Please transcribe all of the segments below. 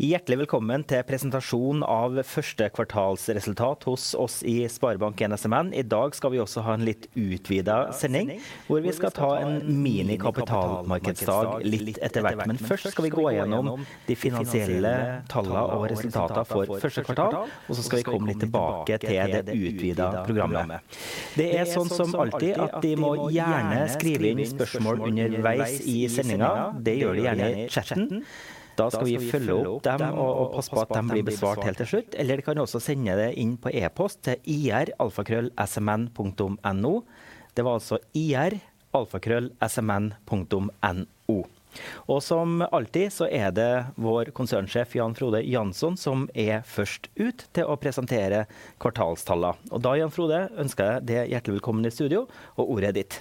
Hjertelig velkommen til presentasjon av første kvartalsresultat hos oss i SpareBank 1 SMN. I dag skal vi også ha en litt utvidet sending hvor vi skal ta en mini kapitalmarkedsdag litt etter hvert. Først skal vi gå gjennom de finansielle tallene og resultatene for første kvartal, og så skal vi komme litt tilbake til det utvidede programmet. Det er sånn som alltid at de må gjerne skrive inn spørsmål underveis i sendingen. Det gjør de gjerne i chatten. Skal vi følge opp dem og passe på at de blir besvart helt til slutt. Eller de kan også sende det inn på epost til ir@smn.no. Det var altså ir@smn.no. Som alltid så er det vår Konsernsjef Jan-Frode Janson som er først ut til å presentere kvartalstallene. Jan Frode ønsker jeg deg hjertelig velkommen i studio. Ordet er ditt.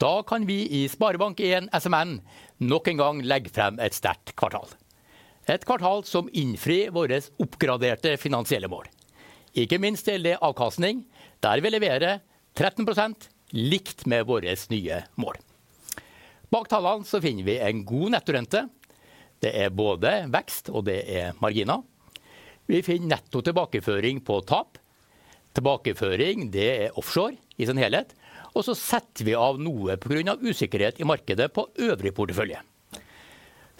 Vi kan i SpareBank 1 SMN nok en gang legge frem et sterkt kvartal. Et kvartal som innfrir våre oppgraderte finansielle mål, ikke minst del av avkastning. Der vi leverer 13% likt med våre nye mål. Bak tallene finner vi en god netto rente. Det er både vekst og det er marginer. Vi finner netto tilbakeføring på tap. Tilbakeføring, det er offshore i sin helhet, setter vi av noe på grunn av usikkerhet i markedet på øvrig portefølje.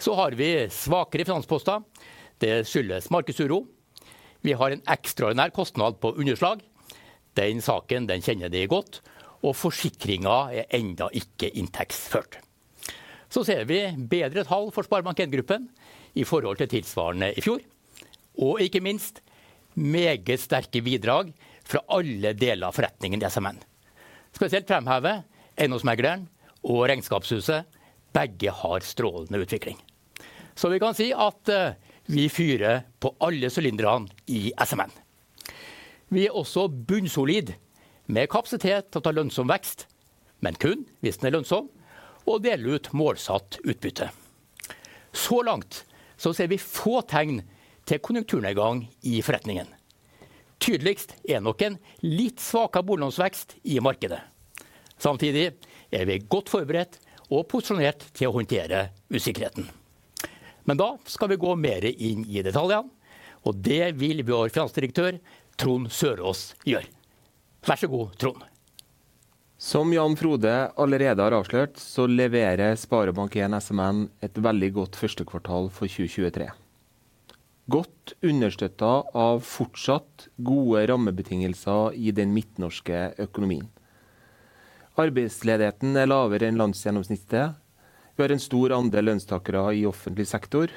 Vi har svakere finansposter. Det skyldes markedsuro. Vi har en ekstraordinær kostnad på underslag. Den saken, den kjenner de godt, forsikringen er enda ikke inntektsført. Vi ser bedre tall for SpareBank 1 Gruppen i forhold til tilsvarende i fjor. Ikke minst meget sterke bidrag fra alle deler av forretningen i SMN. Spesielt fremheve EiendomsMegleren og Regnskapshuset. Begge har strålende utvikling. Vi kan si at vi fyrer på alle sylindrene i SMN. Vi er også bunnsolid med kapasitet til å ta lønnsom vekst. Kun hvis den er lønnsom og dele ut målsatt utbytte. Så langt så ser vi få tegn til konjunkturnedgang i forretningen. Tydeligst er nok en litt svakere boliglånsvekst i markedet. Samtidig er vi godt forberedt og posisjonert til å håndtere usikkerheten. Da skal vi gå mer inn i detaljene, og det vil vår Finansdirektør Trond Søraas gjøre. Vær så god, Trond! Som Jan-Frode allerede har avslørt, så leverer SpareBank 1 SMN et veldig godt første kvartal for 2023. Godt understøttet av fortsatt gode rammebetingelser i den midtnorske økonomien. Arbeidsledigheten er lavere enn landsgjennomsnittet. Vi har en stor andel lønnstakere i offentlig sektor,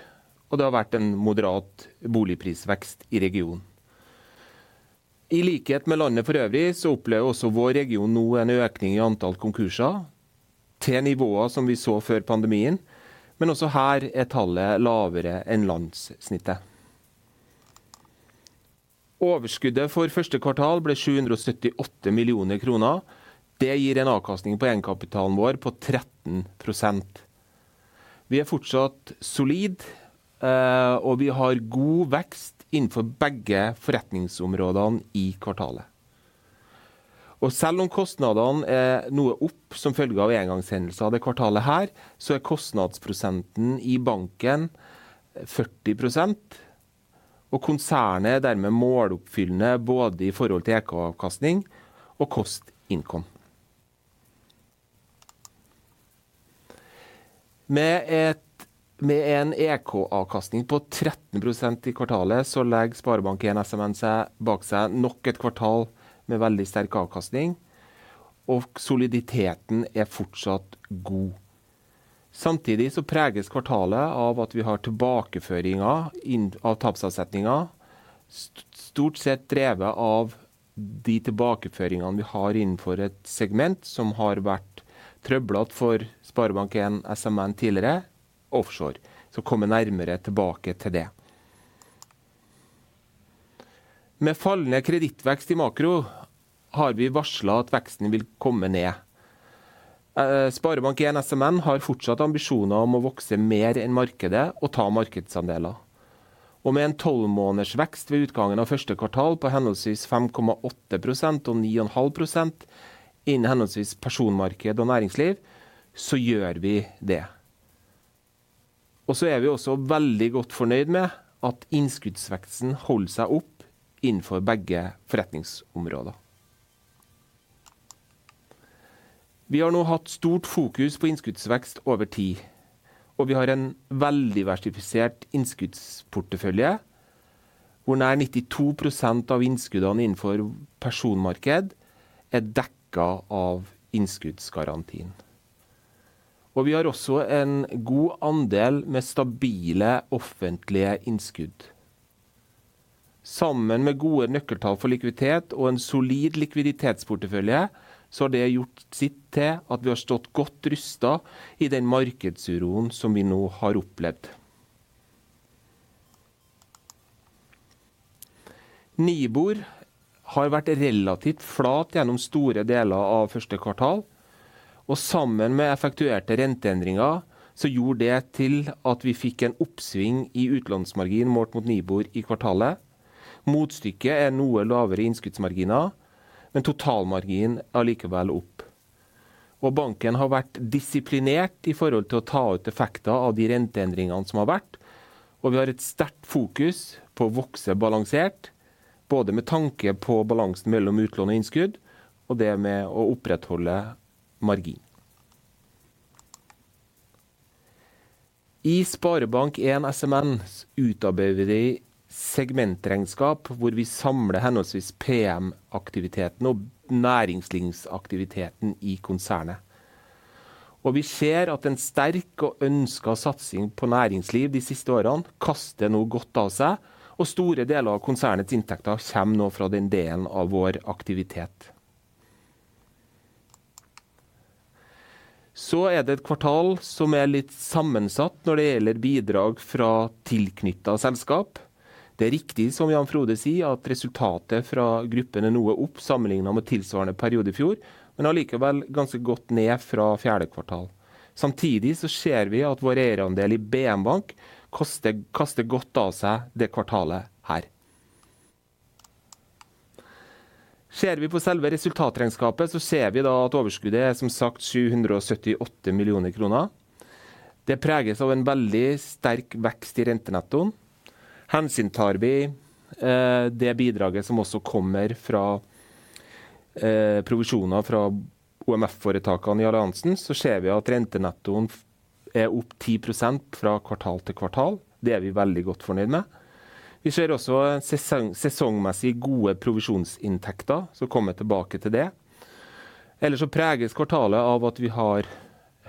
og det har vært en moderat boligprisvekst i regionen. I likhet med landet for øvrig så opplever også vår region nå en økning i antall konkurser til nivåer som vi så før pandemien. Også her er tallet lavere enn landssnittet. Overskuddet for første kvartal ble 778 million kroner. Det gir en avkastning på egenkapitalen vår på 13%. Vi er fortsatt solid, og vi har god vekst innenfor begge forretningsområdene i kvartalet. Selv om kostnadene er noe opp som følge av engangshendelser dette kvartalet her, så er kostnadsprosenten i banken 40%. Konsernet er dermed måloppfyllende både i forhold til EK-avkastning og K/I. Med en EK-avkastning på 13% i kvartalet så legger SpareBank 1 SMN seg bak seg nok et kvartal med veldig sterk avkastning. Soliditeten er fortsatt god. Samtidig så preges kvartalet av at vi har tilbakeføringer inn av tapsavsetninger, stort sett drevet av de tilbakeføringene vi har innenfor et segment som har vært trøblet for SpareBank 1 SMN tidligere, offshore. Kommer nærmere tilbake til det. Med fallende kredittvekst i makro har vi varslet at veksten vil komme ned. SpareBank 1 SMN har fortsatt ambisjoner om å vokse mer enn markedet og ta markedsandeler. Med en 12 måneders vekst ved utgangen av første kvartal på henholdsvis 5.8% og 9.5% innen henholdsvis personmarked og næringsliv, gjør vi det. Vi er også veldig godt fornøyd med at innskuddsveksten holder seg opp innenfor begge forretningsområder. Vi har nå hatt stort fokus på innskuddsvekst over tid, og vi har en veldiversifisert innskuddsportefølje hvor nær 92% av innskuddene innenfor personmarked er dekket av innskuddsgarantien. Vi har også en god andel med stabile offentlige innskudd. Sammen med gode nøkkeltall for likviditet og en solid likviditetsportefølje, har det gjort sitt til at vi har stått godt rustet i den markedsuroen som vi nå har opplevd. NIBOR har vært relativt flat gjennom store deler av første kvartal, og sammen med effektuerte renteendringer gjorde det til at vi fikk en oppsving i utlånsmarginen målt mot NIBOR i kvartalet. Motstykket er noe lavere innskuddsmarginer, men totalmargin er likevel opp. Banken har vært disiplinert i forhold til å ta ut effekter av de renteendringene som har vært. Vi har et sterkt fokus på å vokse balansert, både med tanke på balansen mellom utlån og innskudd og det med å opprettholde margin. I SpareBank 1 SMN utarbeider vi segmentregnskap hvor vi samler henholdsvis PM aktiviteten og næringslivsaktiviteten i konsernet. Vi ser at en sterk og ønsket satsing på næringsliv de siste årene kaster nå godt av seg, og store deler av konsernets inntekter kommer nå fra den delen av vår aktivitet. Det er et kvartal som er litt sammensatt når det gjelder bidrag fra tilknyttede selskap. Det er riktig som Jan-Frode sier, at resultatet fra Gruppen er noe opp sammenlignet med tilsvarende periode i fjor, men allikevel ganske godt ned fra fjerde kvartal. Samtidig ser vi at vår eierandel i BN Bank kaster godt av seg det kvartalet her. Ser vi på selve resultatregnskapet ser vi at overskuddet er som sagt 778 million kroner. Det preges av en veldig sterk vekst i rentenetto. Hensyntar vi det bidraget som også kommer fra provisjoner fra OMF foretakene i alliansen, ser vi at rentenettoen er opp 10% fra kvartal til kvartal. Det er vi veldig godt fornøyd med. Vi ser også sesongmessig gode provisjonsinntekter, kommer tilbake til det. Ellers preges kvartalet av at vi har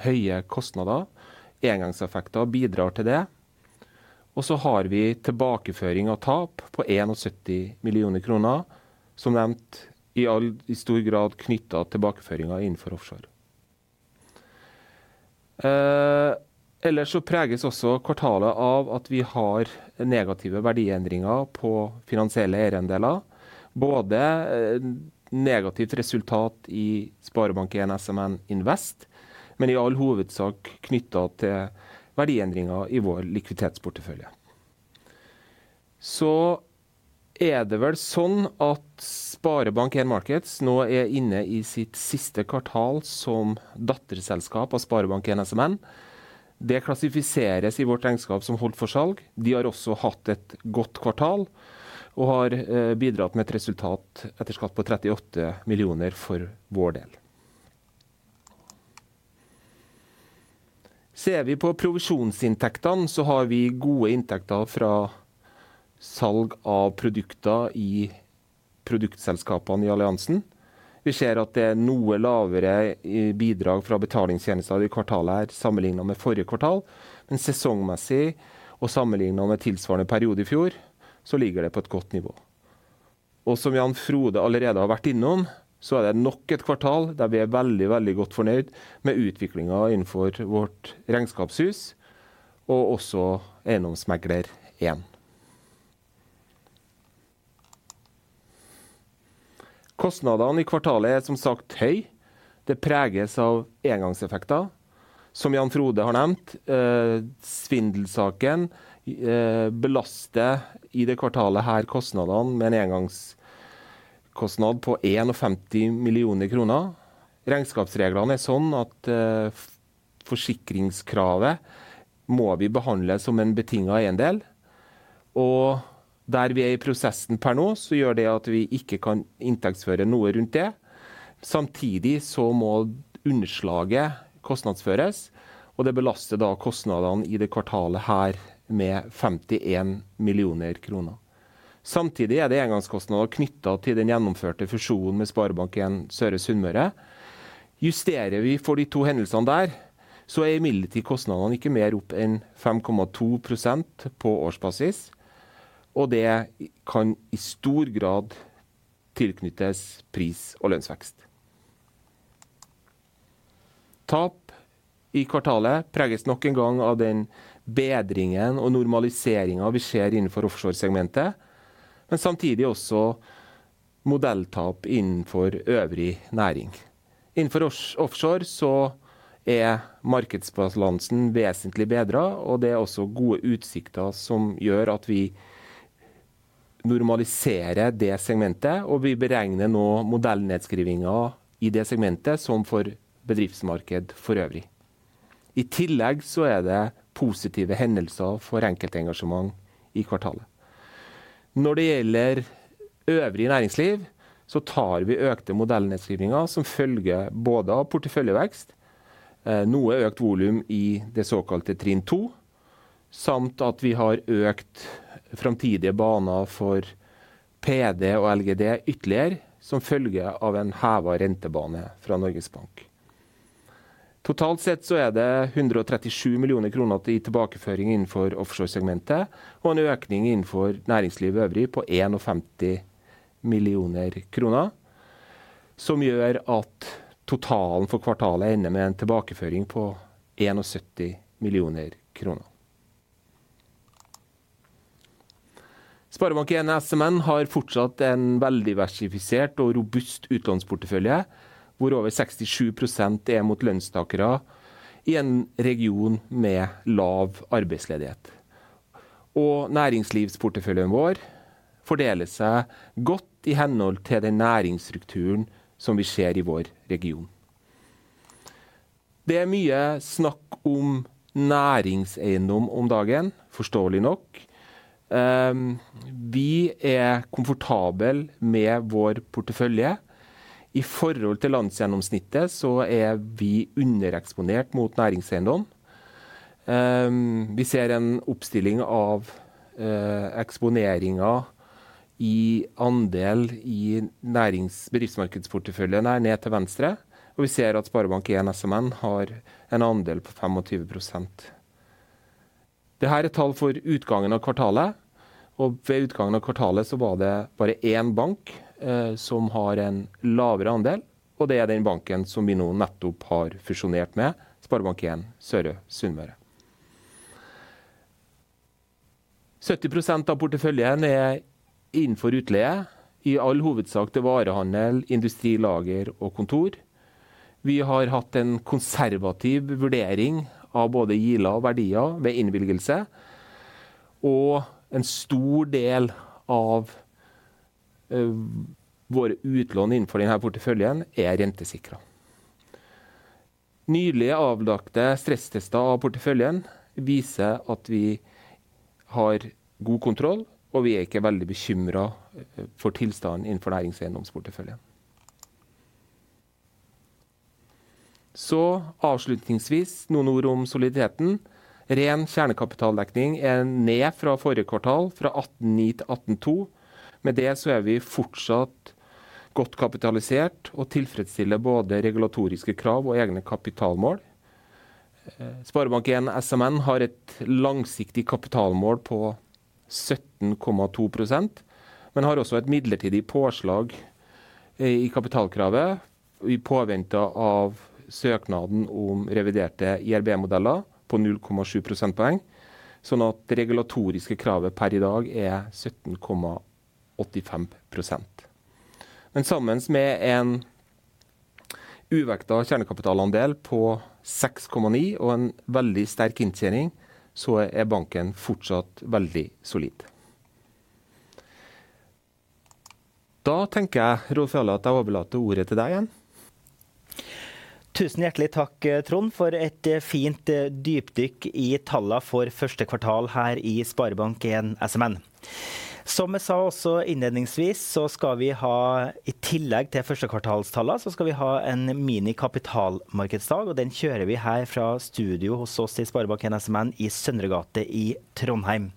høye kostnader. Engangseffekter bidrar til det, har vi tilbakeføring av tap på 71 million kroner. Som nevnt i stor grad knyttet tilbakeføringer innenfor offshore. Ellers preges også kvartalet av at vi har negative verdiendringer på finansielle eierandeler. Både negativt resultat i SpareBank 1 SMN Invest, men i all hovedsak knyttet til verdiendringer i vår likviditetsportefølje. Det er vel sånn at SpareBank 1 Markets nå er inne i sitt siste kvartal som datterselskap av SpareBank 1 SMN. Det klassifiseres i vårt regnskap som holdt for salg. De har også hatt et godt kvartal og har bidratt med et resultat etter skatt på 38 million for vår del. Ser vi på provisjonsinntektene så har vi gode inntekter fra salg av produkter i produktselskapene i alliansen. Vi ser at det er noe lavere bidrag fra betalingstjenester i kvartalet her sammenlignet med forrige kvartal. Sesongmessig og sammenlignet med tilsvarende periode i fjor så ligger det på et godt nivå. Som Jan-Frode allerede har vært innom, så er det nok et kvartal der vi er veldig godt fornøyd med utviklingen innenfor vårt Regnskapshuset og også EiendomsMegler 1. Kostnadene i kvartalet er som sagt høy. Det preges av engangseffekter. Som Jan-Frode har nevnt, svindelsaken belaster i det kvartalet her kostnadene med en engangskostnad på 51 millioner NOK. Regnskapsreglene er sånn at forsikringskravet må vi behandle som en betinget eiendel. Der vi er i prosessen per nå, så gjør det at vi ikke kan inntektsføre noe rundt det. Samtidig må underslaget kostnadsføres, det belaster da kostnadene i det kvartalet her med 51 millioner NOK. Samtidig er det engangskostnader knyttet til den gjennomførte fusjonen med SpareBank 1 Søre Sunnmøre. Justerer vi for de to hendelsene der, er imidlertid kostnadene ikke mer opp enn 5.2% på årsbasis, det kan i stor grad tilknyttes pris og lønnsvekst. Tap i kvartalet preges nok en gang av den bedringen og normaliseringen vi ser innenfor offshoresegmentet, samtidig også modeltap innenfor øvrig næring. Innenfor offshore er markedsbalansen vesentlig bedret, det er også gode utsikter som gjør at vi normaliserer det segmentet, vi beregner nå modellnedskrivninger i det segmentet som for bedriftsmarked forøvrig. I tillegg er det positive hendelser for enkeltengasjement i kvartalet. Når det gjelder øvrig næringsliv tar vi økte modellnedskrivninger som følge både av porteføljevekst, noe økt volum i det såkalte trinn 2, samt at vi har økt framtidige baner for PD og LGD ytterligere som følge av en hevet rentebane fra Norges Bank. Totalt sett så er det 137 million kroner til tilbakeføring innenfor offshoresegmentet og en økning innenfor næringslivet øvrig på NOK 51 million, som gjør at totalen for kvartalet ender med en tilbakeføring på 71 million kroner. SpareBank 1 SMN har fortsatt en veldig versifisert og robust utlånsportefølje, hvor over 67% er mot lønnstakere i en region med lav arbeidsledighet. Næringslivsporteføljen vår fordeler seg godt i henhold til den næringsstrukturen som vi ser i vår region. Det er mye snakk om næringseiendom om dagen, forståelig nok. Vi er komfortabel med vår portefølje. I forhold til landsgjennomsnittet så er vi undereksponert mot næringseiendom. Vi ser en oppstilling av eksponeringen i andel i næringsbedriftsmarkedsporteføljen er ned til venstre. Vi ser at SpareBank 1 SMN har en andel på 25%. Det her er tall for utgangen av kvartalet. Ved utgangen av kvartalet så var det bare en bank som har en lavere andel. Det er den banken som vi nå nettopp har fusjonert med SpareBank 1 Søre Sunnmøre. 70% av porteføljen er innenfor utleie i all hovedsak til varehandel, industrilager og kontor. Vi har hatt en konservativ vurdering av både gjelda og verdier ved innvilgelse, og en stor del av våre utlån innenfor den her porteføljen er rentesikret. Nylig avlagte stresstester av porteføljen viser at vi har god kontroll, og vi er ikke veldig bekymret for tilstanden innenfor næringseiendomsporteføljen. Avslutningsvis noen ord om soliditeten. Ren kjernekapitaldekning er ned fra forrige kvartal fra 18.9 til 18.2. Med det er vi fortsatt godt kapitalisert og tilfredsstiller både regulatoriske krav og egne kapitalmål. SpareBank 1 SMN har et langsiktig kapitalmål på 17.2%, men har også et midlertidig påslag i kapitalkravet i påvente av søknaden om reviderte IRB modeller på 0.7 percentage points. Det regulatoriske kravet per i dag er 17.85%. Sammen med en uvektet kjernekapitalandel på 6.9 og en veldig sterk inntjening, er banken fortsatt veldig solid. Jeg tenker, Rolf Fjelle, at jeg overlater ordet til deg igjen. Tusen hjertelig takk, Trond, for et fint dypdykk i tallene for første kvartal her i SpareBank 1 SMN. Som jeg sa også innledningsvis så skal vi ha i tillegg til førstekvartalstallene så skal vi ha en mini kapitalmarkedsdag, og den kjører vi her fra studio hos oss i SpareBank 1 SMN i Søndre gate i Trondheim.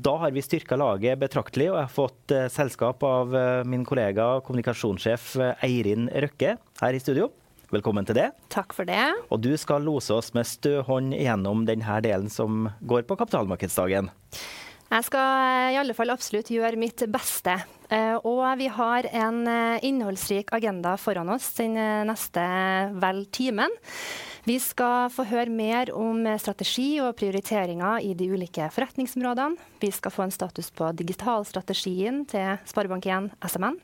Da har vi styrket laget betraktelig, og jeg har fått selskap av min kollega og Kommunikasjonssjef Eirin Røkke her i studio. Velkommen til det. Takk for det! Du skal lose oss med stø hånd gjennom den her delen som går på kapitalmarkedsdagen. Jeg skal i alle fall absolutt gjøre mitt beste. Vi har en innholdsrik agenda foran oss den neste vel timen. Vi skal få høre mer om strategi og prioriteringer i de ulike forretningsområdene. Vi skal få en status på digitalstrategien til SpareBank 1 SMN.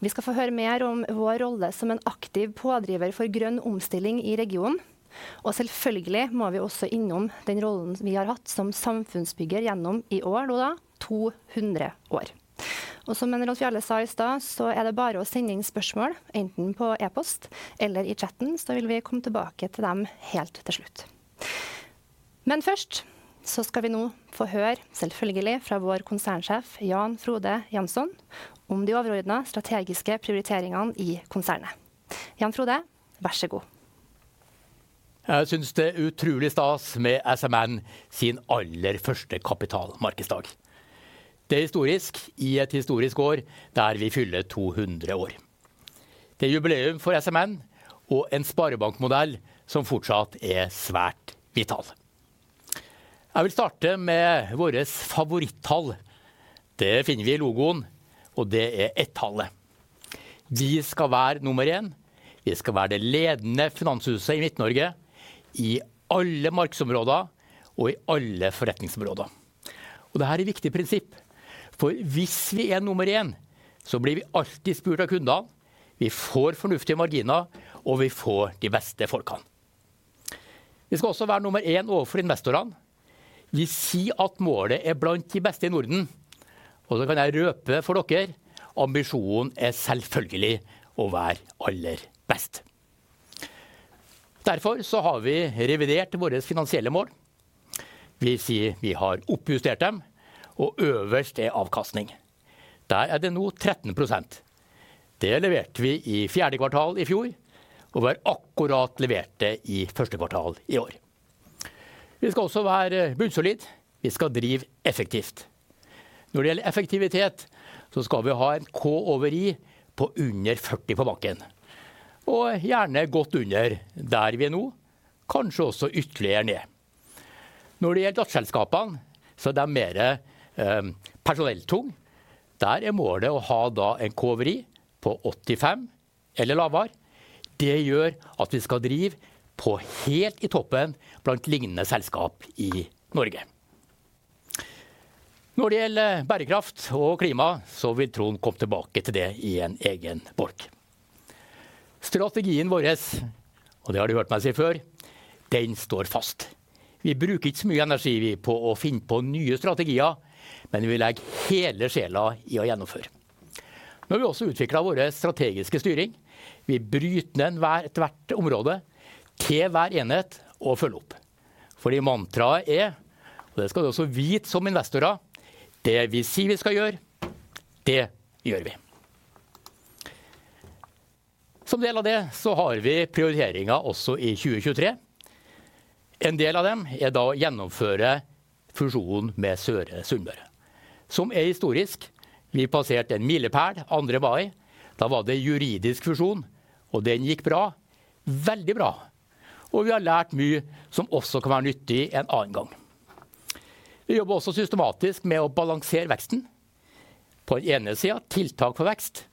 Vi skal få høre mer om vår rolle som en aktiv pådriver for grønn omstilling i regionen. Selvfølgelig må vi også innom den rollen vi har hatt som samfunnsbygger gjennom i år, nå da 200 år. Som Rolf Fjelle sa i stad, så er det bare å sende inn spørsmål enten på e-post eller i chatten, så vil vi komme tilbake til dem helt til slutt. Først så skal vi nå få høre selvfølgelig fra vår Konsernsjef Jan Frode Janson om de overordnede strategiske prioriteringene i konsernet. Jan Frode. Vær så god! Jeg synes det er utrolig stas med SMN sin aller første kapitalmarkedsdag. Det er historisk i et historisk år der vi fyller 200 år. Det er jubileum for SMN og en sparebankmodell som fortsatt er svært vital. Jeg vil starte med vårt favorittall. Det finner vi i logoen, og det er 1-tallet. Vi skal være nummer 1. Vi skal være det ledende finanshuset i Midt-Norge, i alle markedsområder og i alle forretningsområder. Det her er viktige prinsipp. Hvis vi er nummer 1, så blir vi alltid spurt av kundene. Vi får fornuftige marginer og vi får de beste folkene. Vi skal også være nummer 1 ovenfor investorene. Vi sier at målet er blant de beste i Norden, og så kan jeg røpe for dere. Ambisjonen er selvfølgelig å være aller best. Derfor så har vi revidert våre finansielle mål. Vi sier vi har oppjustert dem, og øverst er avkastning. Der er det nå 13%. Det leverte vi i fourth quarter i fjor, og vi har akkurat levert det i first quarter i år. Vi skal også være bunnsolid. Vi skal drive effektivt. Når det gjelder effektivitet, så skal vi ha en K/I på under 40 på banken. Gjerne godt under der vi er nå. Kanskje også ytterligere ned. Når det gjelder datterselskapene, så er de mer personelltung. Der er målet å ha da en K/I på 85 eller lavere. Det gjør at vi skal drive på helt i toppen blant lignende selskaper i Norge. Når det gjelder bærekraft og klima så vil Trond Søraas komme tilbake til det i en egen bolk. Strategien våres. Det har du hørt meg si før den står fast. Vi bruker ikke så mye energi vi på å finne på nye strategier, men vi legger hele sjela i å gjennomføre. Nå har vi også utviklet våre strategiske styring. Vi bryter ned hvert område til hver enhet og følger opp. Fordi mantraet er, og det skal vi også vite som investorer, det vi sier vi skal gjøre, det gjør vi. Som del av det så har vi prioriteringer også i 2023. En del av dem er da å gjennomføre fusjonen med Søre Sunnmøre. Som er historisk. Vi passerte en milepæl andre mai. Da var det juridisk fusjon, og den gikk bra. Veldig bra. Vi har lært mye som også kan være nyttig en annen gang. Vi jobber også systematisk med å balansere veksten. På den ene siden tiltak for vekst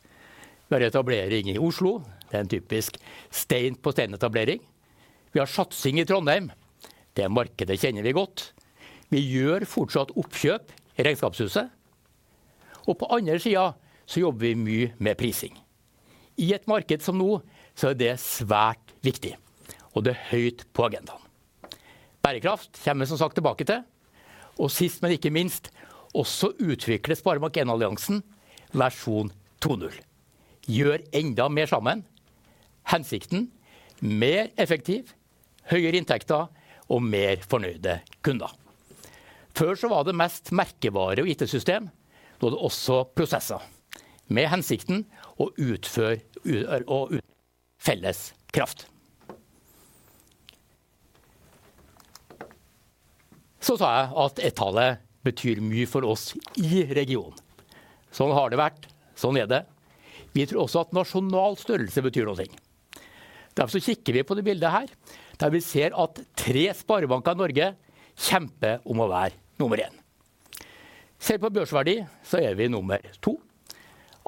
ved etablering i Oslo. Det er en typisk Stein på Stein etablering. Vi har satsing i Trondheim. Det markedet kjenner vi godt. Vi gjør fortsatt oppkjøp i Regnskapshuset. På andre siden jobber vi mye med prising. I et marked som nå er det svært viktig og det høyt på agendaen. Bærekraft kommer vi som sagt tilbake til. Sist, men ikke minst også utvikles SpareBank 1 Alliansen versjon 2.0. Gjør enda mer sammen. Hensikten. Mer effektiv, høyere inntekter og mer fornøyde kunder. Før var det mest merkevare og IT system. Nå er det også prosesser. Med hensikten å utføre og felles kraft. Sa jeg at 1-tallet betyr mye for oss i regionen. Sånn har det vært. Sånn er det. Vi tror også at nasjonal størrelse betyr noen ting. Derfor kikker vi på det bildet her der vi ser at tre sparebanker i Norge kjemper om å være nummer 1. Ser vi på børsverdi er vi nummer 2.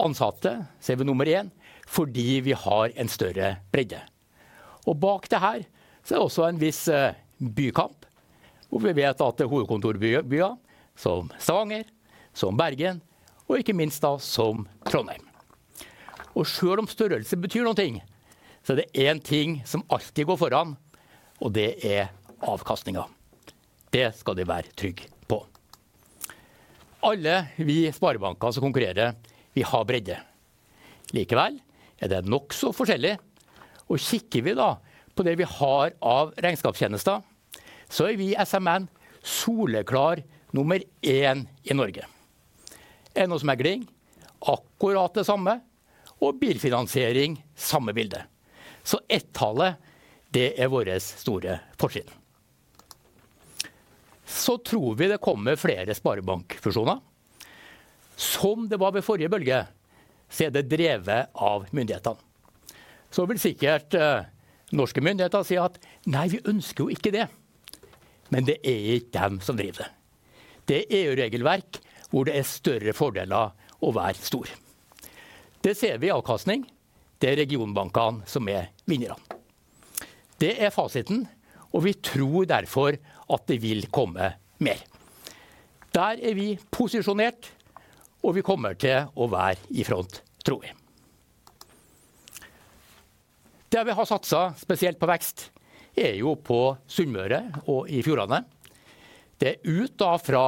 Ansatte ser vi nummer 1 fordi vi har en større bredde. Bak det her er også en viss bykamp hvor vi vet at det er hovedkontorbybyer som Stavanger som Bergen og ikke minst da som Trondheim. Selv om størrelse betyr noen ting, er det 1 ting som alltid går foran, og det er avkastningen. Det skal de være trygg på. Alle vi sparebanker som konkurrerer, vi har bredde. Likevel er det nokså forskjellig. Kikker vi da på det vi har av regnskapstjenester, er vi SMN soleklar nummer 1 i Norge. Eiendomsmegling. Akkurat det samme. Bilfinansiering. Samme bilde. 1-tallet, det er vårt store fortrinn. Tror vi det kommer flere sparebankfusjoner. Det var ved forrige bølge, så er det drevet av myndighetene. Vil sikkert norske myndigheter si at nei, vi ønsker jo ikke det. Det er ikke dem som driver det. Det er EU regelverk hvor det er større fordeler å være stor. Det ser vi i avkastning. Det er regionbankene som er vinnerne. Det er fasiten, vi tror derfor at det vil komme mer. Der er vi posisjonert, vi kommer til å være i front, tror vi. Der vi har satset spesielt på vekst, er jo på Sunnmøre og i Fjordane. Det er ut ifra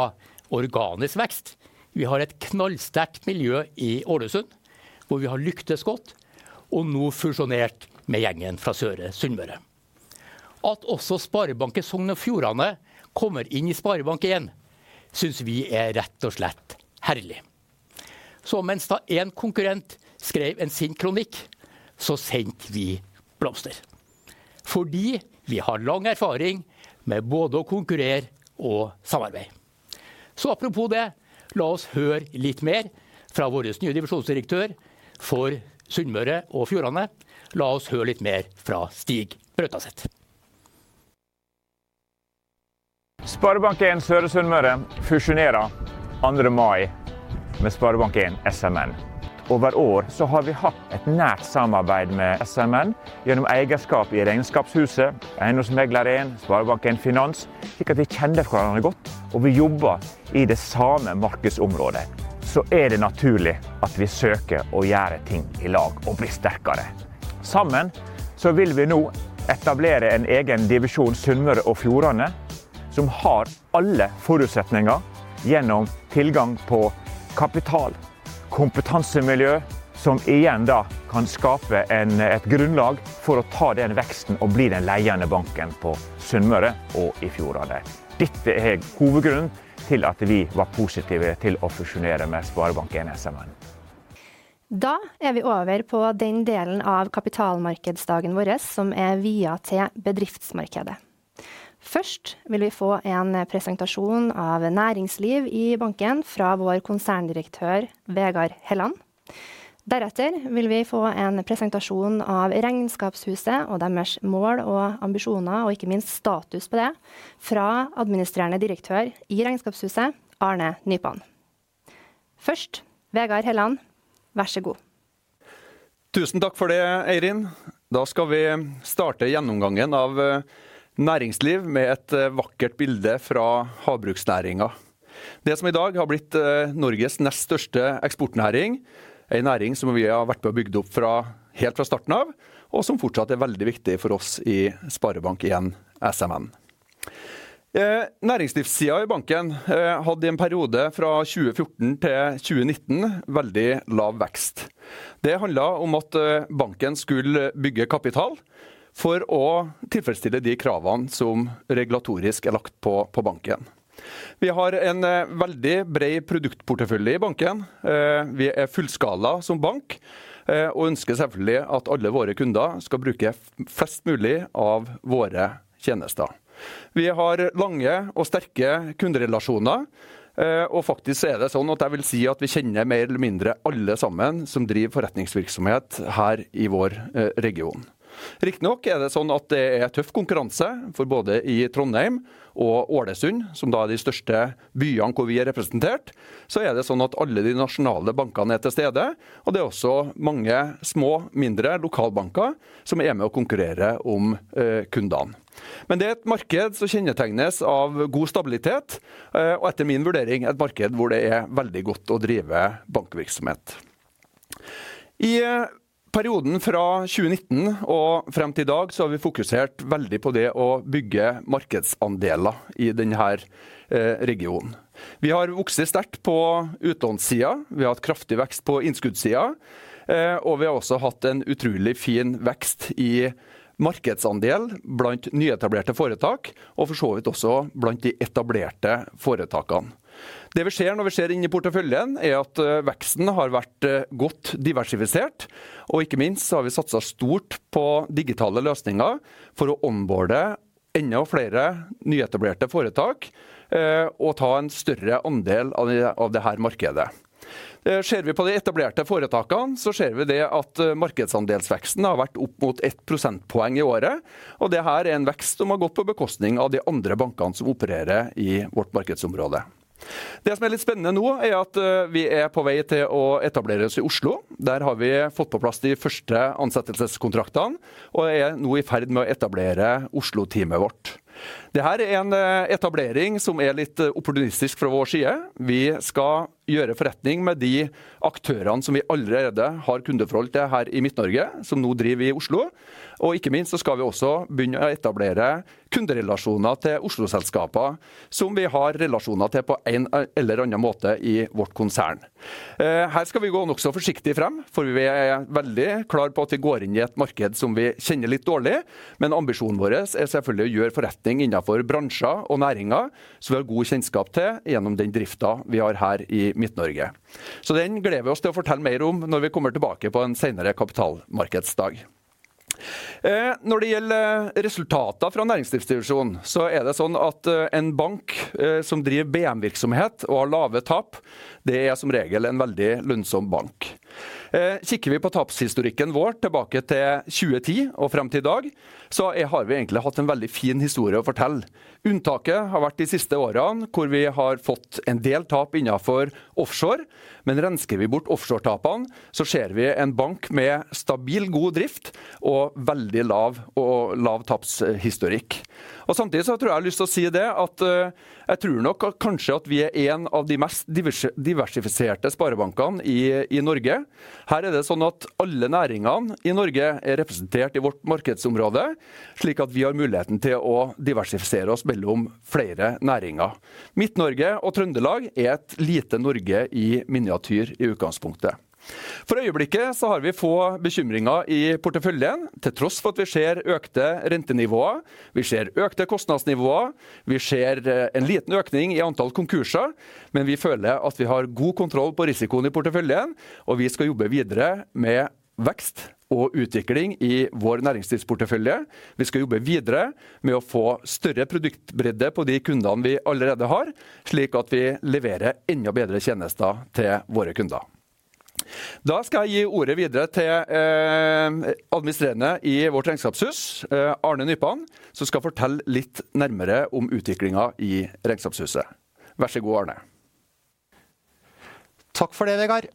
organisk vekst. Vi har et knallsterkt miljø i Ålesund, hvor vi har lyktes godt og nå fusjonert med gjengen fra Søre Sunnmøre. At også Sparebanken Sogn og Fjordane kommer inn i SpareBank 1 synes vi er rett og slett herlig. Mens da en konkurrent skrev en sint kronikk, så sendte vi blomster. Vi har lang erfaring med både å konkurrere og samarbeide. Apropos det. La oss høre litt mer fra våres nye divisjonsdirektør for Sunnmøre og Fjordane. La oss høre litt mer fra Stig Brautaset. SpareBank 1 Søre Sunnmøre fusjonerer 2. mai med SpareBank 1 SMN. Over år så har vi hatt et nært samarbeid med SMN gjennom eierskap i Regnskapshuset, EiendomsMegler 1, SpareBank 1 Finans, slik at vi kjenner hverandre godt og vi jobber i det samme markedsområdet. Det er naturlig at vi søker å gjøre ting i lag og bli sterkere. Sammen så vil vi nå etablere en egen divisjon Sunnmøre og Fjordane, som har alle forutsetninger gjennom tilgang på kapital og kompetansemiljø som igjen da kan skape et grunnlag for å ta den veksten og bli den ledende banken på Sunnmøre og i Fjordane. Dette er hovedgrunnen til at vi var positive til å fusjonere med SpareBank 1 SMN. Da er vi over på den delen av kapitalmarkedsdagen vår som er viet til bedriftsmarkedet. Først vil vi få en presentasjon av næringsliv i banken fra vår Konserndirektør Vegard Helland. Deretter vil vi få en presentasjon av Regnskapshuset og deres mål og ambisjoner, og ikke minst status på det. Fra Administrerende direktør i Regnskapshuset, Arne Nypan. Først Vegard Helland. Vær så god! Tusen takk for det, Eirin. Vi skal starte gjennomgangen av næringsliv med et vakkert bilde fra havbruksnæringen. Det som i dag har blitt Norges nest største eksportnæring. En næring som vi har vært med å bygge opp fra helt fra starten av, og som fortsatt er veldig viktig for oss i SpareBank 1 SMN. Næringslivssiden i banken hadde i en periode fra 2014 til 2019 veldig lav vekst. Det handler om at banken skulle bygge kapital for å tilfredsstille de kravene som regulatorisk er lagt på banken. Vi har en veldig bred produktportefølje i banken. Vi er fullskala som bank og ønsker selvfølgelig at alle våre kunder skal bruke flest mulig av våre tjenester. Vi har lange og sterke kunderelasjoner, og faktisk er det sånn at jeg vil si at vi kjenner mer eller mindre alle sammen som driver forretningsvirksomhet her i vår region. Riktignok er det sånn at det er tøff konkurranse for både i Trondheim og Ålesund, som da er de største byene hvor vi er representert. Det er sånn at alle de nasjonale bankene er til stede, og det er også mange små og mindre lokalbanker som er med å konkurrere om kundene. Det er et marked som kjennetegnes av god stabilitet, og etter min vurdering et marked hvor det er veldig godt å drive bankvirksomhet. I perioden fra 2019 og frem til i dag så har vi fokusert veldig på det å bygge markedsandeler i den her regionen. Vi har vokst sterkt på utlånssiden. Vi har hatt kraftig vekst på innskuddssiden, og vi har også hatt en utrolig fin vekst i markedsandel blant nyetablerte foretak og for så vidt også blant de etablerte foretakene. Det vi ser når vi ser inn i porteføljen er at veksten har vært godt diversifisert, og ikke minst så har vi satset stort på digitale løsninger for å "onboarde" enda flere nyetablerte foretak, og ta en større andel av det her markedet. Ser vi på de etablerte foretakene så ser vi det at markedsandelsveksten har vært opp mot 1 prosentpoeng i året, og det her er en vekst som har gått på bekostning av de andre bankene som opererer i vårt markedsområde. Det som er litt spennende nå er at vi er på vei til å etablere oss i Oslo. Der har vi fått på plass de første ansettelseskontraktene, og er nå i ferd med å etablere Oslo teamet vårt. Det her er en etablering som er litt opportunistisk fra vår side. Vi skal gjøre forretning med de aktørene som vi allerede har kundeforhold til her i Midt-Norge som nå driver i Oslo. Ikke minst skal vi også begynne å etablere kunderelasjoner til Oslo selskaper som vi har relasjoner til på en eller annen måte i vårt konsern. Her skal vi gå nokså forsiktig frem, for vi er veldig klar på at vi går inn i et marked som vi kjenner litt dårlig. Ambisjonen vår er selvfølgelig å gjøre forretning innenfor bransjer og næringer som vi har god kjennskap til gjennom den driften vi har her i Midt-Norge. Den gleder vi oss til å fortelle mer om når vi kommer tilbake på en senere kapitalmarkedsdag. Når det gjelder resultater fra næringslivsdivisjonen, så er det sånn at en bank som driver BM virksomhet og har lave tap, det er som regel en veldig lønnsom bank. Kikker vi på tapshistorikken vår tilbake til 2010 og frem til i dag, så har vi egentlig hatt en veldig fin historie å fortelle. Unntaket har vært de siste årene hvor vi har fått en del tap innenfor offshore. Rensker vi bort offshoretapene, så ser vi en bank med stabil, god drift og veldig lav tapshistorikk. Samtidig så har jeg lyst til å si det at jeg tror nok at kanskje at vi er en av de mest diversifiserte sparebankene i Norge. Her er det sånn at alle næringene i Norge er representert i vårt markedsområde, slik at vi har muligheten til å diversifisere oss mellom flere næringer. Midt-Norge og Trøndelag er et lite Norge i miniatyr i utgangspunktet. For øyeblikket har vi få bekymringer i porteføljen, til tross for at vi ser økte rentenivåer. Vi ser økte kostnadsnivåer. Vi ser en liten økning i antall konkurser, men vi føler at vi har god kontroll på risikoen i porteføljen, og vi skal jobbe videre med vekst og utvikling i vår næringslivsportefølje. Vi skal jobbe videre med å få større produktbredde på de kundene vi allerede har, slik at vi leverer enda bedre tjenester til våre kunder. Jeg skal gi ordet videre til, Administrerende i vårt Regnskapshuset, Arne Nypan, som skal fortelle litt nærmere om utviklingen i Regnskapshuset. Vær så god, Arne! Takk for det, Vegard.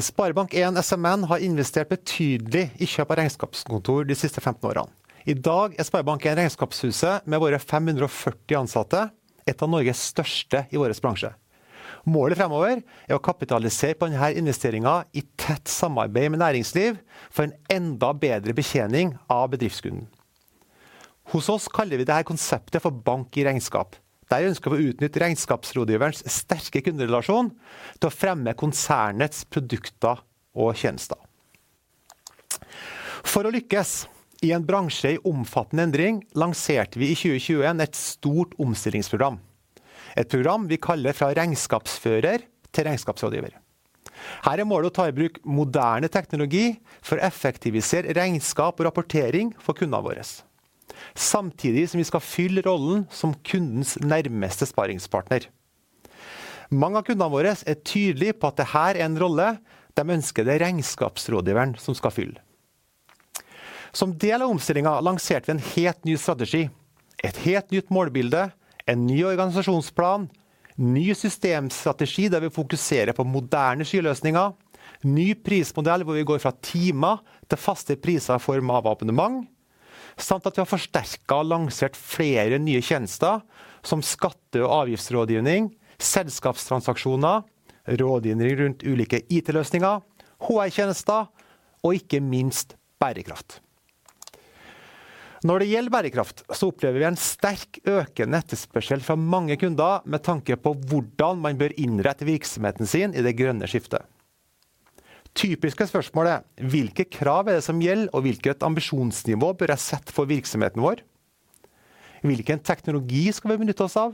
SpareBank 1 SMN har investert betydelig i kjøp av regnskapskontor de siste 15 årene. I dag er SpareBank 1 Regnskapshuset med våre 540 ansatte et av Norges største i vår bransje. Målet fremover er å kapitalisere på den her investeringen i tett samarbeid med næringsliv for en enda bedre betjening av bedriftskunden. Hos oss kaller vi dette konseptet for Bank i regnskap, der vi ønsker å utnytte regnskapsrådgiverens sterke kunderelasjon til å fremme konsernets produkter og tjenester. Å lykkes i en bransje i omfattende endring lanserte vi i 2021 et stort omstillingsprogram. Et program vi kaller fra regnskapsfører til regnskapsrådgiver. Her er målet å ta i bruk moderne teknologi for å effektivisere regnskap og rapportering for kundene våre, samtidig som vi skal fylle rollen som kundens nærmeste sparringspartner. Mange av kundene våre er tydelige på at det her er en rolle de ønsker at regnskapsrådgiveren som skal fylle. Som del av omstillingen lanserte vi en helt ny strategi, et helt nytt målbilde, en ny organisasjonsplan, ny systemstrategi der vi fokuserer på moderne skyløsninger, ny prismodell hvor vi går fra timer til faste priser for månedlig abonnement, samt at vi har forsterket og lansert flere nye tjenester som skatte- og avgiftsrådgivning, selskapstransaksjoner, rådgivning rundt ulike IT løsninger, HR tjenester og ikke minst bærekraft. Når det gjelder bærekraft, så opplever vi en sterk økende etterspørsel fra mange kunder med tanke på hvordan man bør innrette virksomheten sin i det grønne skiftet. Typiske spørsmål er: Hvilke krav er det som gjelder, og hvilket ambisjonsnivå bør jeg sette for virksomheten vår? Hvilken teknologi skal vi benytte oss av?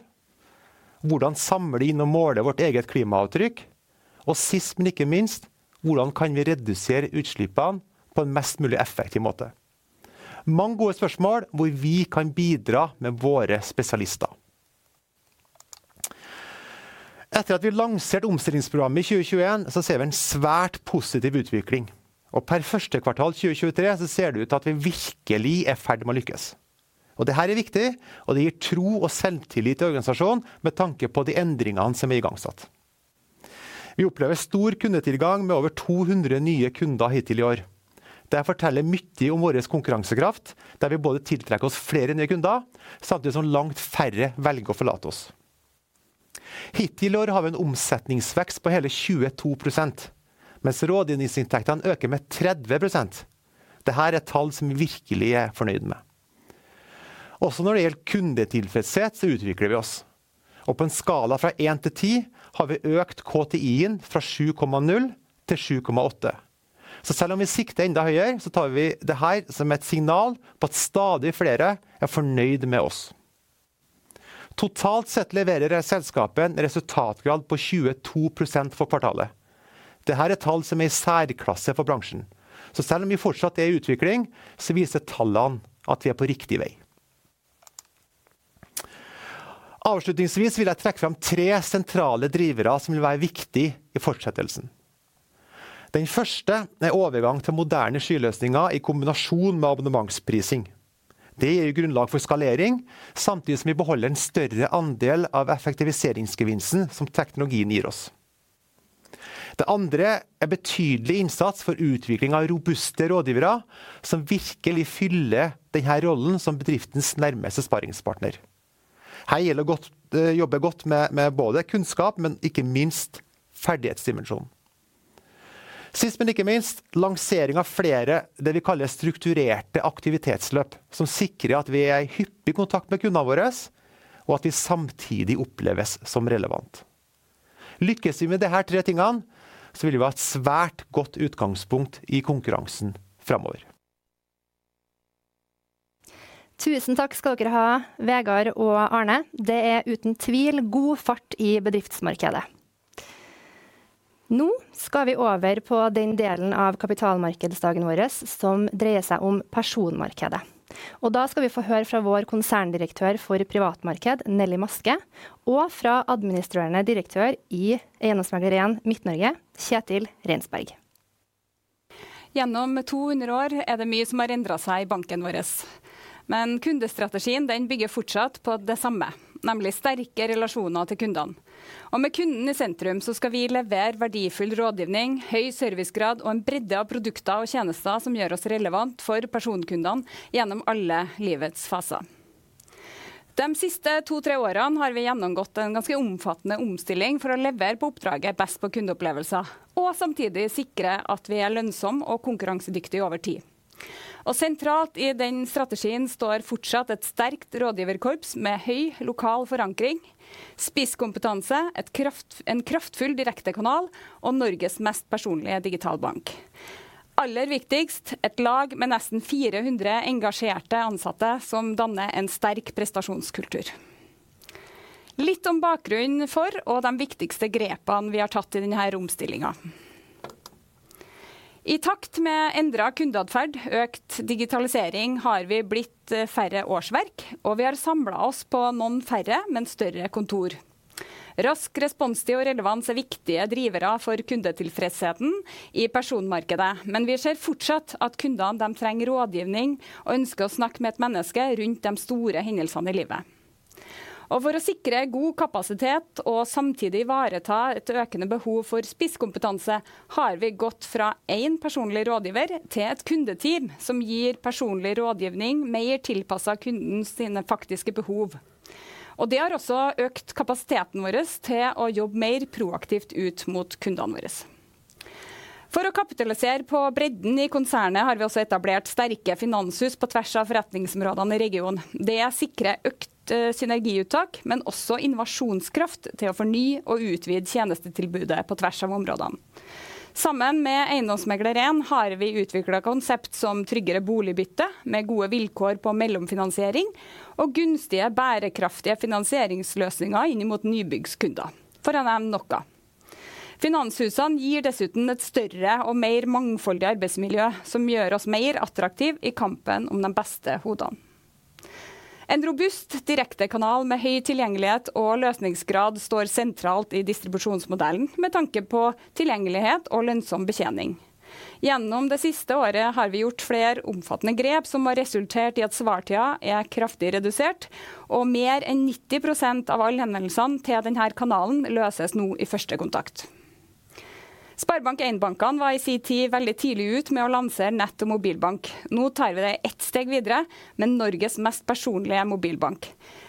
Hvordan samle inn og måle vårt eget klimaavtrykk? Sist, men ikke minst hvordan kan vi redusere utslippene på en mest mulig effektiv måte? Mange gode spørsmål hvor vi kan bidra med våre spesialister. Etter at vi lanserte omstillingsprogrammet i 2021, så ser vi en svært positiv utvikling. Per første kvartal 2023 så ser det ut til at vi virkelig er i ferd med å lykkes. Det her er viktig, og det gir tro og selvtillit i organisasjonen med tanke på de endringene som er igangsatt. Vi opplever stor kundetilgang med over 200 nye kunder hittil i år. Det forteller mye om vår konkurransekraft, der vi både tiltrekker oss flere nye kunder, samtidig som langt færre velger å forlate oss. Hittil i år har vi en omsetningsvekst på hele 22%, mens rådgivningsinntektene øker med 30%. Det her er tall som vi virkelig er fornøyd med. Når det gjelder kundetilfredshet, så utvikler vi oss. På en skala fra 1 til 10 har vi økt KTIen fra 7.0 til 7.8. Selv om vi sikter enda høyere, så tar vi det her som et signal på at stadig flere er fornøyd med oss. Totalt sett leverer selskapet en resultatgrad på 22% for kvartalet. Det her er tall som er i særklasse for bransjen, så selv om vi fortsatt er i utvikling, så viser tallene at vi er på riktig vei. Avslutningsvis vil jeg trekke fram 3 sentrale drivere som vil være viktig i fortsettelsen. Den første er overgang til moderne skyløsninger i kombinasjon med abonnementsprising. Det gir jo grunnlag for skalering, samtidig som vi beholder en større andel av effektiviseringsgevinsten som teknologien gir oss. Det andre er betydelig innsats for utvikling av robuste rådgivere som virkelig fyller den her rollen som bedriftens nærmeste sparringspartner. Her gjelder å godt, jobbe godt med både kunnskap, men ikke minst ferdighetsdimensjonen. Sist, men ikke minst lansering av flere det vi kaller strukturerte aktivitetsløp, som sikrer at vi er i hyppig kontakt med kundene våre og at vi samtidig oppleves som relevant. Lykkes vi med de her tre tingene, så vil vi ha et svært godt utgangspunkt i konkurransen fremover. Tusen takk skal dere ha, Vegard og Arne. Det er uten tvil god fart i bedriftsmarkedet. Nå skal vi over på den delen av kapitalmarkedsdagen vår som dreier seg om personmarkedet. Og da skal vi få høre fra vår konserndirektør for privatmarked, Nelly Maske, og fra administrerende direktør i EiendomsMegler 1 Midt-Norge, Kjetil Reinsberg. Gjennom 200 år er det mye som har endret seg i banken våres, men kundestrategien den bygger fortsatt på det samme, nemlig sterke relasjoner til kundene. Med kunden i sentrum så skal vi levere verdifull rådgivning, høy servicegrad og en bredde av produkter og tjenester som gjør oss relevant for personkundene gjennom alle livets faser. De siste 2-3 årene har vi gjennomgått en ganske omfattende omstilling for å levere på oppdraget best på kundeopplevelser og samtidig sikre at vi er lønnsom og konkurransedyktig over tid. Sentralt i den strategien står fortsatt et sterkt rådgiverkorps med høy lokal forankring, spisskompetanse, en kraftfull direktekanal og Norges mest personlige digitalbank. Aller viktigst et lag med nesten 400 engasjerte ansatte som danner en sterk prestasjonskultur. Litt om bakgrunnen for og de viktigste grepene vi har tatt i den her omstillingen. I takt med endret kundeatferd, økt digitalisering har vi blitt færre årsverk, og vi har samlet oss på noen færre, men større kontor. Rask responstid og relevans er viktige drivere for kundetilfredsheten i personmarkedet. Vi ser fortsatt at kundene de trenger rådgivning og ønsker å snakke med et menneske rundt de store hendelsene i livet. For å sikre god kapasitet og samtidig ivareta et økende behov for spisskompetanse, har vi gått fra en personlig rådgiver til et kundeteam som gir personlig rådgivning mer tilpasset kunden sine faktiske behov. Det har også økt kapasiteten vår til å jobbe mer proaktivt ut mot kundene våres. For å kapitalisere på bredden i konsernet har vi også etablert sterke finanshus på tvers av forretningsområdene i regionen. Det sikrer økt synergiuttak, men også innovasjonskraft til å fornye og utvide tjenestetilbudet på tvers av områdene. Sammen med EiendomsMegler 1 har vi utviklet konsept som tryggere boligbytte med gode vilkår på mellomfinansiering og gunstige, bærekraftige finansieringsløsninger inn i mot nybyggskunder, for å nevne noe. Finanshusene gir dessuten et større og mer mangfoldig arbeidsmiljø som gjør oss mer attraktiv i kampen om de beste hodene. En robust direktekanal med høy tilgjengelighet og løsningsgrad står sentralt i distribusjonsmodellen med tanke på tilgjengelighet og lønnsom betjening. Gjennom det siste året har vi gjort flere omfattende grep som har resultert i at svartiden er kraftig redusert og mer enn 90% av alle henvendelsene til den her kanalen løses nå i første kontakt. SpareBank 1-bankene var i sin tid veldig tidlig ute med å lansere nett- og mobilbank. Nå tar vi det 1 steg videre. Med Norges mest personlige mobilbank.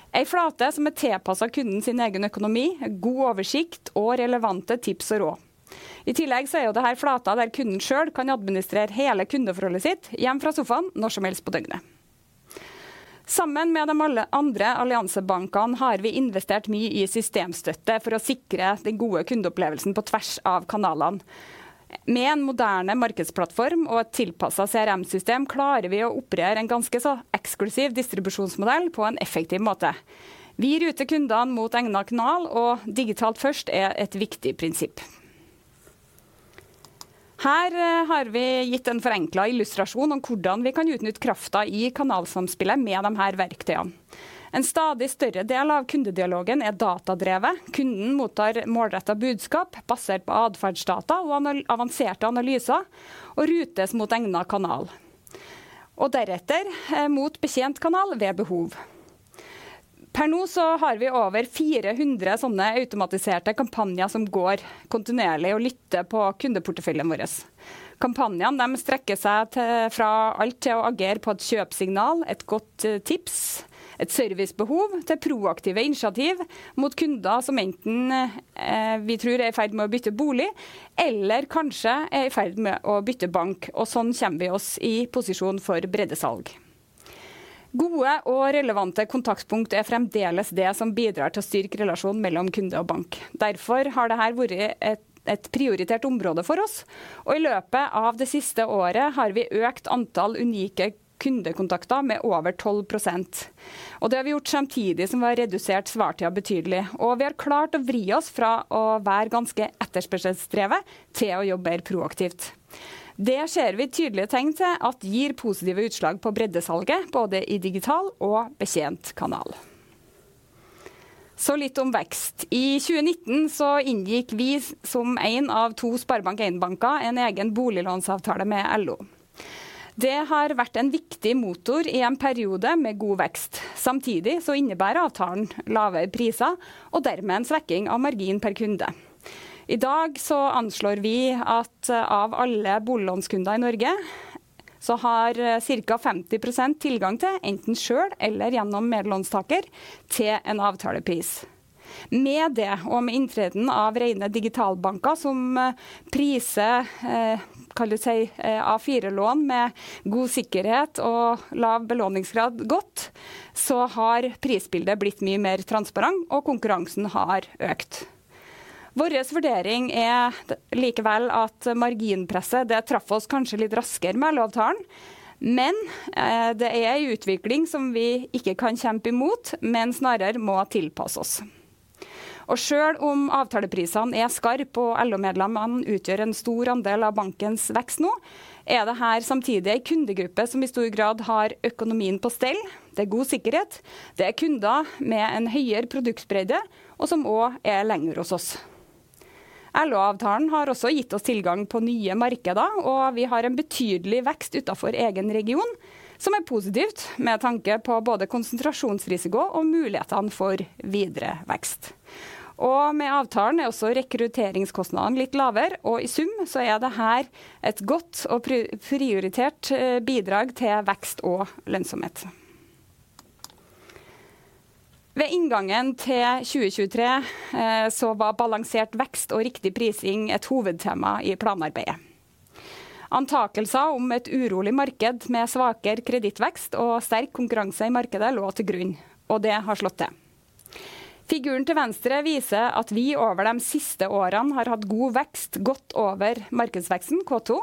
En flate som er tilpasset kunden sin egen økonomi, god oversikt og relevante tips og råd. I tillegg er jo det her flaten der kunden selv kan administrere hele kundeforholdet sitt hjemme fra sofaen når som helst på døgnet. Sammen med de alle andre alliansebankene har vi investert mye i systemstøtte for å sikre den gode kundeopplevelsen på tvers av kanalene. Med en moderne markedsplattform og et tilpasset CRM system klarer vi å operere en ganske så eksklusiv distribusjonsmodell på en effektiv måte. Vi ruter kundene mot egnet kanal, digitalt først er et viktig prinsipp. Her har vi gitt en forenklet illustrasjon om hvordan vi kan utnytte kraften i kanalsamspillet med de her verktøyene. En stadig større del av kundedialogen er datadrevet. Kunden mottar målrettede budskap basert på atferdsdata og avanserte analyser og rutes mot egnet kanal og deretter mot betjent kanal ved behov. Per nå så har vi over 400 sånne automatiserte kampanjer som går kontinuerlig og lytter på kundeporteføljen vår. Kampanjene de strekker seg til, fra alt til å agere på et kjøpssignal, et godt tips, et servicebehov til proaktive initiativ mot kunder som enten vi tror er i ferd med å bytte bolig eller kanskje er i ferd med å bytte bank. Sånn kommer vi oss i posisjon for bredde salg. Gode og relevante kontaktpunkt er fremdeles det som bidrar til å styrke relasjonen mellom kunde og bank. Derfor har det her vært et prioritert område for oss, og i løpet av det siste året har vi økt antall unike kundekontakter med over 12%. Det har vi gjort samtidig som vi har redusert svartiden betydelig, og vi har klart å vri oss fra å være ganske etterspørselsdrevet til å jobbe mer proaktivt. Det ser vi tydelige tegn til at gir positive utslag på breddesalget både i digital og betjent kanal. Litt om vekst. I 2019 inngikk vi som en av 2 SpareBank 1-bankene en egen boliglånsavtale med LO. Det har vært en viktig motor i en periode med god vekst. Samtidig innebærer avtalen lavere priser og dermed en svekking av margin per kunde. I dag anslår vi at av alle boliglånskunder i Norge, så har cirka 50% tilgang til enten selv eller gjennom med låntaker til en avtalepris. Med det og med inntreden av rene digitalbanker som priser, kan du si A4 lån med god sikkerhet og lav belåningsgrad godt, har prisbildet blitt mye mer transparent, og konkurransen har økt. Vår vurdering er likevel at marginpresset det traff oss kanskje litt raskere med LO-avtalen, men det er en utvikling som vi ikke kan kjempe imot, men snarere må tilpasse oss. Selv om avtaleprisene er skarpe og LO-medlemmene utgjør en stor andel av bankens vekst nå, er det her samtidig en kundegruppe som i stor grad har økonomien på stell. Det er god sikkerhet. Det er kunder med en høyere produktbredde og som også er lenger hos oss. LO-avtalen har også gitt oss tilgang på nye markeder, og vi har en betydelig vekst utenfor egen region som er positivt med tanke på både konsentrasjonsrisiko og mulighetene for videre vekst. Med avtalen er også rekrutteringskostnadene litt lavere, og i sum så er det her et godt og prioritert bidrag til vekst og lønnsomhet. Ved inngangen til 2023, så var balansert vekst og riktig prising et hovedtema i planarbeidet. Antakelser om et urolig marked med svakere kredittvekst og sterk konkurranse i markedet lå til grunn, og det har slått til. Figuren til venstre viser at vi over de siste årene har hatt god vekst godt over markedsveksten Q2,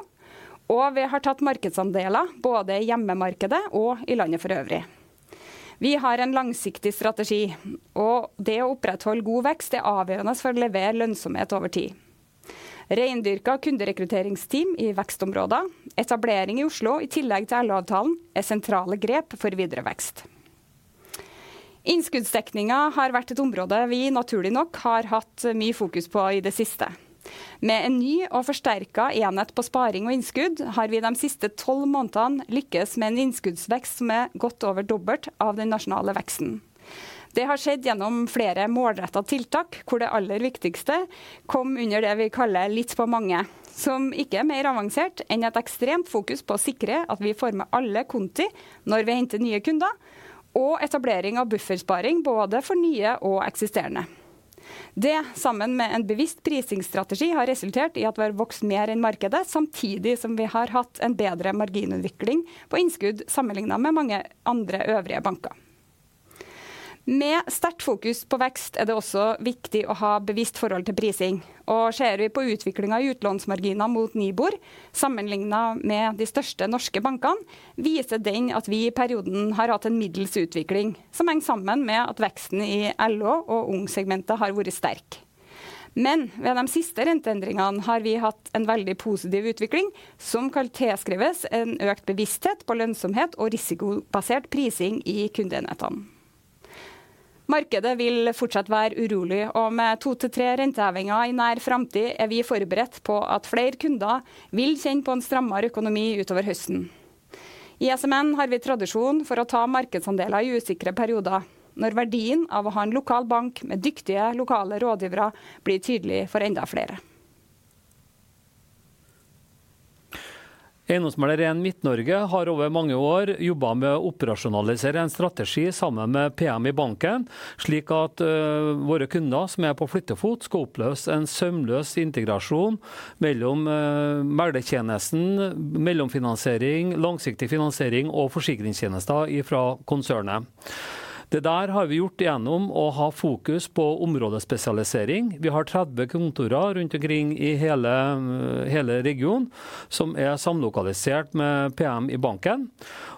og vi har tatt markedsandeler både i hjemmemarkedet og i landet for øvrig. Vi har en langsiktig strategi, og det å opprettholde god vekst er avgjørende for å levere lønnsomhet over tid. Rendyrket kunderekrutteringsteam i vekstområder, etablering i Oslo i tillegg til LO-avtalen er sentrale grep for videre vekst. Innskuddsdekningen har vært et område vi naturlig nok har hatt mye fokus på i det siste. Med en ny og forsterket enhet på sparing og innskudd har vi de siste 12 månedene lykkes med en innskuddsvekst som er godt over dobbelt av den nasjonale veksten. Det har skjedd gjennom flere målrettede tiltak, hvor det aller viktigste kom under det vi kaller litt på mange, som ikke er mer avansert enn et ekstremt fokus på å sikre at vi former alle konti når vi henter nye kunder og etablering av buffersparing både for nye og eksisterende. Det sammen med en bevisst prisingsstrategi, har resultert i at vi har vokst mer enn markedet, samtidig som vi har hatt en bedre marginutvikling på innskudd sammenlignet med mange andre øvrige banker. Med sterkt fokus på vekst er det også viktig å ha bevisst forhold til prising. Ser vi på utviklingen i utlånsmarginen mot NIBOR sammenlignet med de største norske bankene, viser den at vi i perioden har hatt en middels utvikling som henger sammen med at veksten i LO og Ung segmentet har vært sterk. Ved de siste renteendringene har vi hatt en veldig positiv utvikling som kan tilskrives en økt bevissthet på lønnsomhet og risikobasert prising i kundeenhetene. Markedet vil fortsatt være urolig, og med 2 til 3 rentehevinger i nær framtid er vi forberedt på at flere kunder vil kjenne på en strammere økonomi utover høsten. I SMN har vi tradisjon for å ta markedsandeler i usikre perioder når verdien av å ha en lokal bank med dyktige lokale rådgivere blir tydelig for enda flere. Eiendomsmegler 1 Midt-Norge har over mange år jobbet med å operasjonalisere en strategi sammen med PM i banken, slik at våre kunder som er på flyttefot skal oppleve en sømløs integrasjon mellom meglertjenesten, mellomfinansiering, langsiktig finansiering og forsikringstjenester fra konsernet. Det der har vi gjort gjennom å ha fokus på områdespesialisering. Vi har 30 kontorer rundt omkring i hele regionen som er samlokalisert med PM i banken,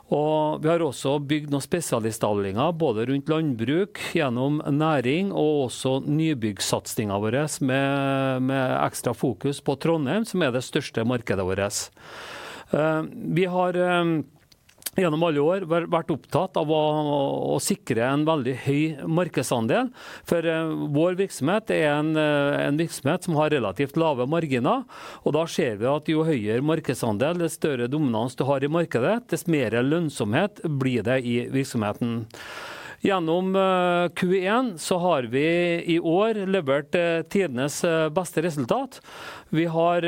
og vi har også bygd noen spesialistavdelinger, både rundt landbruk, gjennom næring og også nybyggsatsingen vår med ekstra fokus på Trondheim som er det største markedet vårt. Vi har gjennom alle år vært opptatt av å sikre en veldig høy markedsandel, for vår virksomhet er en virksomhet som har relativt lave marginer, og da ser vi at jo høyere markedsandel, desto større dominans du har i markedet, desto mer lønnsomhet blir det i virksomheten. Gjennom Q1 har vi i år levert tidenes beste resultat. Vi har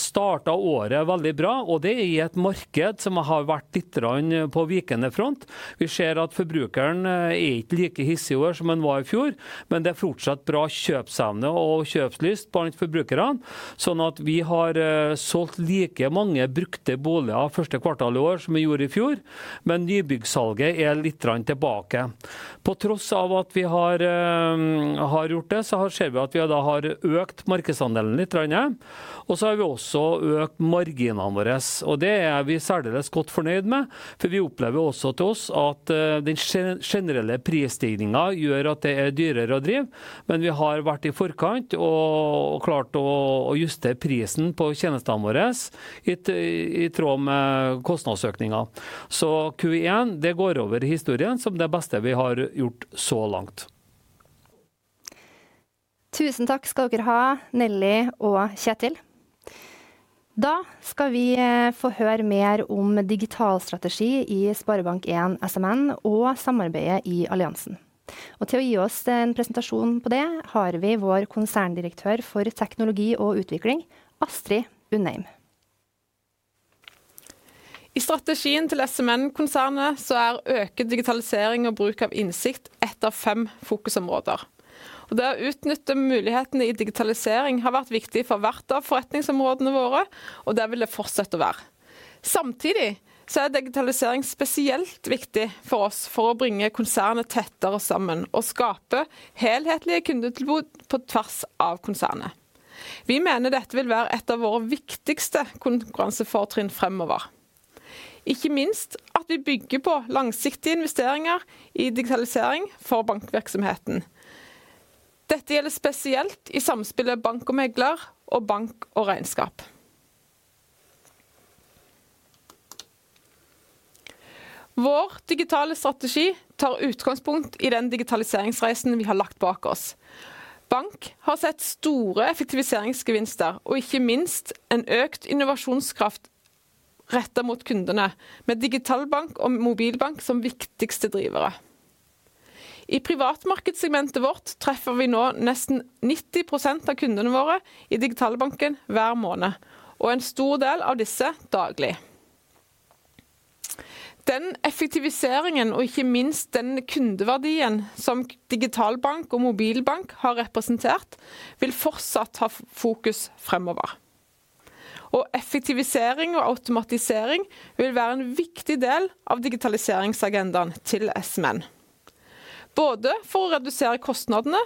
startet året veldig bra og det i et marked som har vært littegrann på vikende front. Vi ser at forbrukeren er ikke like hissig i år som den var i fjor, men det er fortsatt bra kjøpsevne og kjøpslyst blant forbrukerne. Vi har solgt like mange brukte boliger første kvartalet i år som vi gjorde i fjor. Nybyggsalget er littegrann tilbake. På tross av at vi har gjort det, så ser vi at vi da har økt markedsandelen littegranne. Vi har også økt marginene våre, og det er vi særdeles godt fornøyd med. Vi opplever også til oss at den generelle prisstigningen gjør at det er dyrere å drive. Vi har vært i forkant og klart å justere prisen på tjenestene våre i tråd med kostnadsøkningen. Q1 det går over i historien som det beste vi har gjort så langt. Tusen takk skal dere ha Nelly og Kjetil. Da skal vi få høre mer om digital strategi i SpareBank 1 SMN og samarbeidet i alliansen. Til å gi oss en presentasjon på det har vi vår Konserndirektør for Teknologi og Utvikling, Astrid Undheim. I strategien til SMN-konsernet så er øket digitalisering og bruk av innsikt ett av fem fokusområder. Det å utnytte mulighetene i digitalisering har vært viktig for hvert av forretningsområdene våre, og det vil det fortsette å være. Samtidig så er digitalisering spesielt viktig for oss for å bringe konsernet tettere sammen og skape helhetlige kundetilbud på tvers av konsernet. Vi mener dette vil være et av våre viktigste konkurransefortrinn fremover. Ikke minst at vi bygger på langsiktige investeringer i digitalisering for bankvirksomheten. Dette gjelder spesielt i samspillet Bank og Megler og Bank og Regnskap. Vår digitale strategi tar utgangspunkt i den digitaliseringsreisen vi har lagt bak oss. Bank har sett store effektiviseringsgevinster og ikke minst en økt innovasjonskraft rettet mot kundene. Med Digitalbank og Mobilbank som viktigste drivere. I privatmarked segmentet vårt treffer vi nå nesten 90% av kundene våre i Digitalbanken hver måned, og en stor del av disse daglig. Den effektiviseringen og ikke minst den kundeverdien som Digitalbank og Mobilbank har representert, vil fortsatt ha fokus fremover. Effektivisering og automatisering vil være en viktig del av digitaliseringsagendaen til SMN. Både for å redusere kostnadene,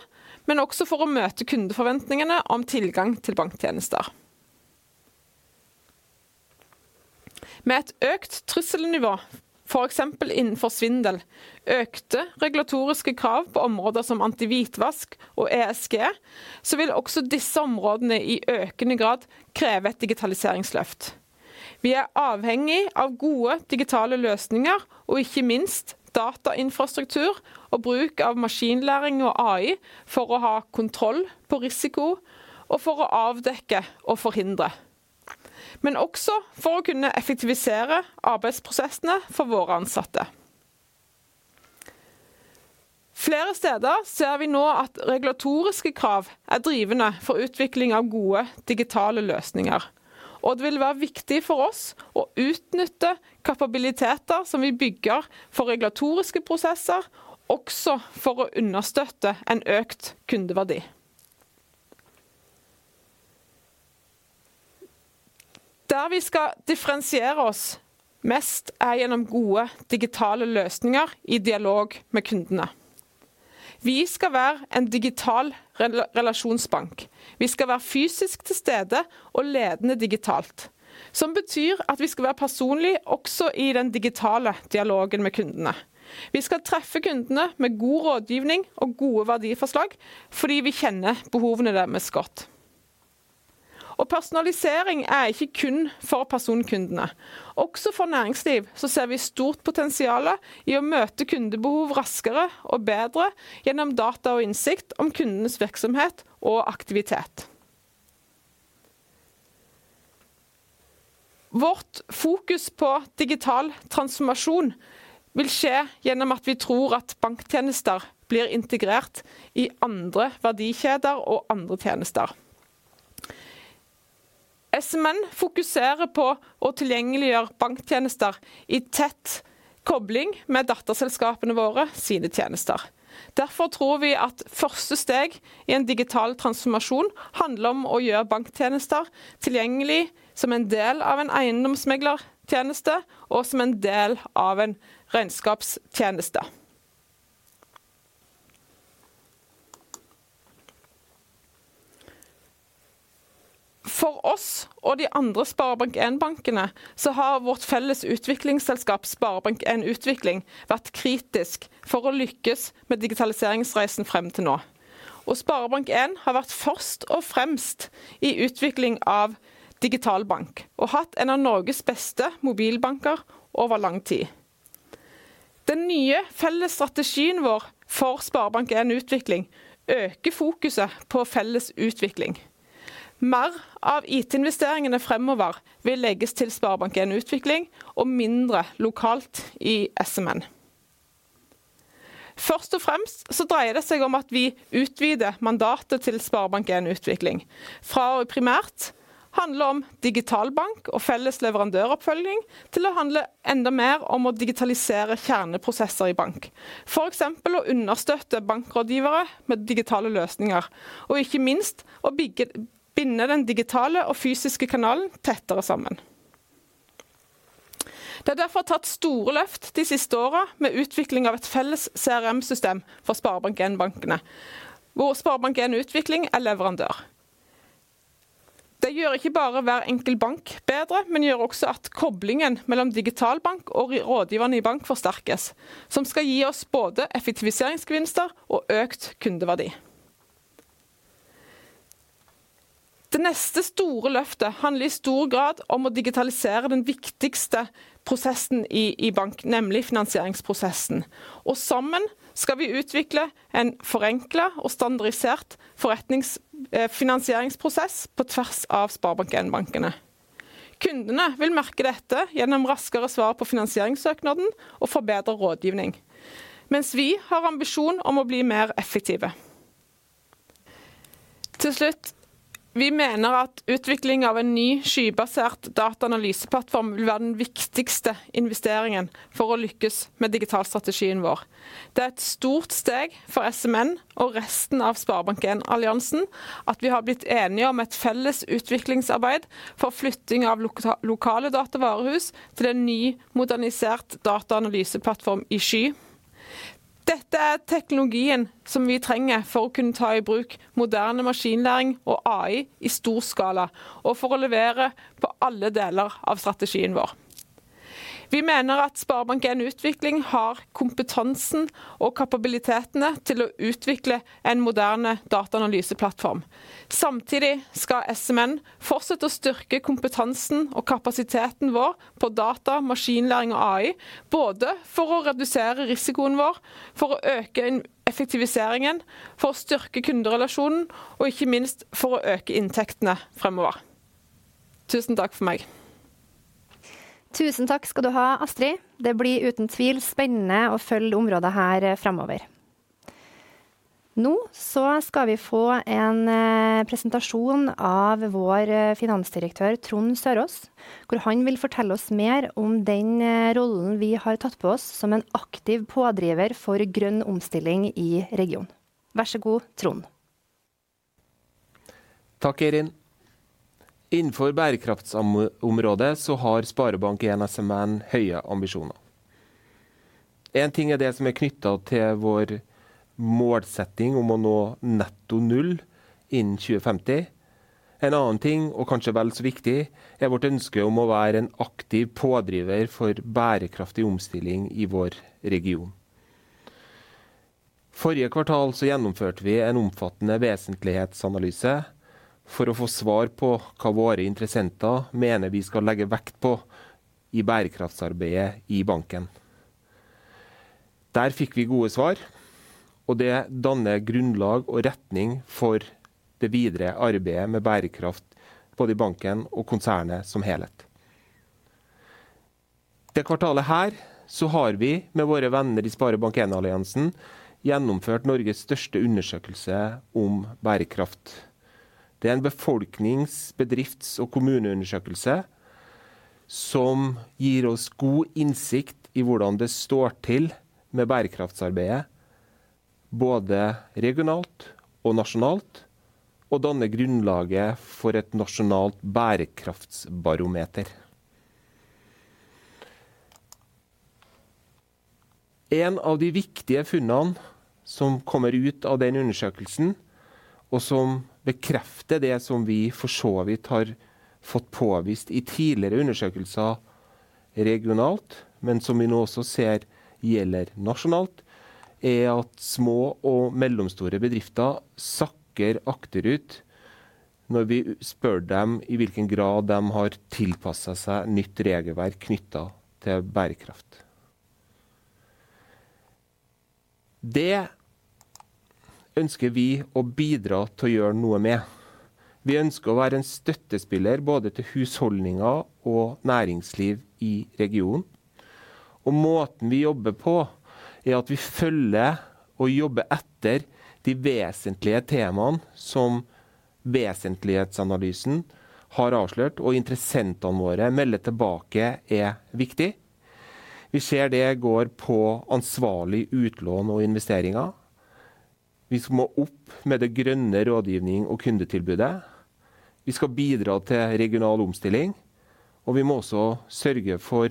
men også for å møte kundeforventningene om tilgang til banktjenester. Med et økt trusselnivå, for eksempel innenfor svindel, økte regulatoriske krav på områder som antihvitvask og ESG, så vil også disse områdene i økende grad kreve et digitaliseringsløft. Vi er avhengig av gode digitale løsninger og ikke minst datainfrastruktur og bruk av maskinlæring og AI for å ha kontroll på risiko og for å avdekke og forhindre, men også for å kunne effektivisere arbeidsprosessene for våre ansatte. Flere steder ser vi nå at regulatoriske krav er drivende for utvikling av gode digitale løsninger. Det vil være viktig for oss å utnytte kapabiliteter som vi bygger for regulatoriske prosesser, også for å understøtte en økt kundeverdi. Der vi skal differensiere oss mest er gjennom gode digitale løsninger i dialog med kundene. Vi skal være en digital relasjonsbank. Vi skal være fysisk til stede og ledende digitalt. Som betyr at vi skal være personlig også i den digitale dialogen med kundene. Vi skal treffe kundene med god rådgivning og gode verdiforslag fordi vi kjenner behovene deres godt. Personalisering er ikke kun for personkundene. Også for næringsliv så ser vi stort potensiale i å møte kundebehov raskere og bedre gjennom data og innsikt om kundenes virksomhet og aktivitet. Vårt fokus på digital transformasjon vil skje gjennom at vi tror at banktjenester blir integrert i andre verdikjeder og andre tjenester. SMN fokuserer på å tilgjengeliggjøre banktjenester i tett kobling med datterselskapene våre sine tjenester. Tror vi at første steg i en digital transformasjon handler om å gjøre banktjenester tilgjengelig som en del av en eiendomsmeglertjeneste, og som en del av en regnskapstjeneste. For oss og de andre SpareBank 1 bankene har vårt felles utviklingsselskap, SpareBank 1 Utvikling vært kritisk for å lykkes med digitaliseringsreisen frem til nå. SpareBank 1 har vært først og fremst i utvikling av Digitalbank og hatt en av Norges beste mobilbanker over lang tid. Den nye felles strategien vår for SpareBank 1 Utvikling øker fokuset på felles utvikling. Mer av IT investeringene fremover vil legges til SpareBank 1 Utvikling og mindre lokalt i SMN. Først og fremst så dreier det seg om at vi utvider mandatet til SpareBank 1 Utvikling fra å primært handle om Digitalbank og felles leverandøroppfølging, til å handle enda mer om å digitalisere kjerneprosesser i bank, for eksempel å understøtte bankrådgivere med digitale løsninger og ikke minst å binde den digitale og fysiske kanalen tettere sammen. Det er derfor tatt store løft de siste årene med utvikling av et felles CRM system for SpareBank 1-bankene, hvor SpareBank 1 Utvikling er leverandør. Det gjør ikke bare hver enkelt bank bedre, men gjør også at koblingen mellom Digitalbank og rådgiverne i bank forsterkes, som skal gi oss både effektiviseringsgevinster og økt kundeverdi. Det neste store løftet handler i stor grad om å digitalisere den viktigste prosessen i bank, nemlig finansieringsprosessen. Sammen skal vi utvikle en forenklet og standardisert forretningsfinansieringsprosessen på tvers av SpareBank 1-bankene. Kundene vil merke dette gjennom raskere svar på finansieringssøknaden og få bedre rådgivning, mens vi har ambisjon om å bli mer effektive. Til slutt, vi mener at utvikling av en ny skybasert dataanalyseplattform vil være den viktigste investeringen for å lykkes med digitalstrategien vår. Det er et stort steg for SMN og resten av SpareBank 1-alliansen at vi har blitt enige om et felles utviklingsarbeid for flytting av lokale datavarehus til en ny modernisert dataanalyseplattform i sky. Dette er teknologien som vi trenger for å kunne ta i bruk moderne maskinlæring og AI i stor skala, og for å levere på alle deler av strategien vår. Vi mener at SpareBank 1 Utvikling har kompetansen og kapabilitetene til å utvikle en moderne dataanalyseplattform. SMN skal fortsette å styrke kompetansen og kapasiteten vår på data, maskinlæring og AI, både for å redusere risikoen vår for å øke effektiviseringen, for å styrke kunderelasjonen og ikke minst for å øke inntektene fremover. Tusen takk for meg! Tusen takk skal du ha Astrid. Det blir uten tvil spennende å følge området her fremover. Nå så skal vi få en presentasjon av vår Finansdirektør Trond Søraas, hvor han vil fortelle oss mer om den rollen vi har tatt på oss som en aktiv pådriver for grønn omstilling i regionen. Vær så god, Trond! Takk, Irin. Innenfor bærekraftsområdet så har SpareBank 1 SMN høye ambisjoner. En ting er det som er knyttet til vår målsetting om å nå netto null innen 2050. En annen ting, og kanskje vel så viktig, er vårt ønske om å være en aktiv pådriver for bærekraftig omstilling i vår region. Forrige kvartal så gjennomførte vi en omfattende vesentlighetsanalyse for å få svar på hva våre interessenter mener vi skal legge vekt på i bærekraftsarbeidet i banken. Der fikk vi gode svar, og det danner grunnlag og retning for det videre arbeidet med bærekraft både i banken og konsernet som helhet. Det kvartalet her så har vi med våre venner i SpareBank 1-alliansen gjennomført Norges største undersøkelse om bærekraft. Det er en befolknings-, bedrifts- og kommuneundersøkelse som gir oss god innsikt i hvordan det står til med bærekraftsarbeidet både regionalt og nasjonalt, og danner grunnlaget for et nasjonalt bærekraftsbarometer. En av de viktige funnene som kommer ut av den undersøkelsen, og som bekrefter det som vi for så vidt har fått påvist i tidligere undersøkelser regionalt, men som vi nå også ser gjelder nasjonalt, er at små og mellomstore bedrifter sakker akterut når vi spør dem i hvilken grad de har tilpasset seg nytt regelverk knyttet til bærekraft. Det ønsker vi å bidra til å gjøre noe med. Vi ønsker å være en støttespiller både til husholdninger og næringsliv i regionen. Måten vi jobber på er at vi følger og jobber etter de vesentlige temaene som vesentlighetsanalysen har avslørt og interessentene våre melder tilbake er viktig. Vi ser det går på ansvarlig utlån og investeringer. Vi må opp med det grønne rådgivning og kundetilbudet. Vi skal bidra til regional omstilling, og vi må også sørge for,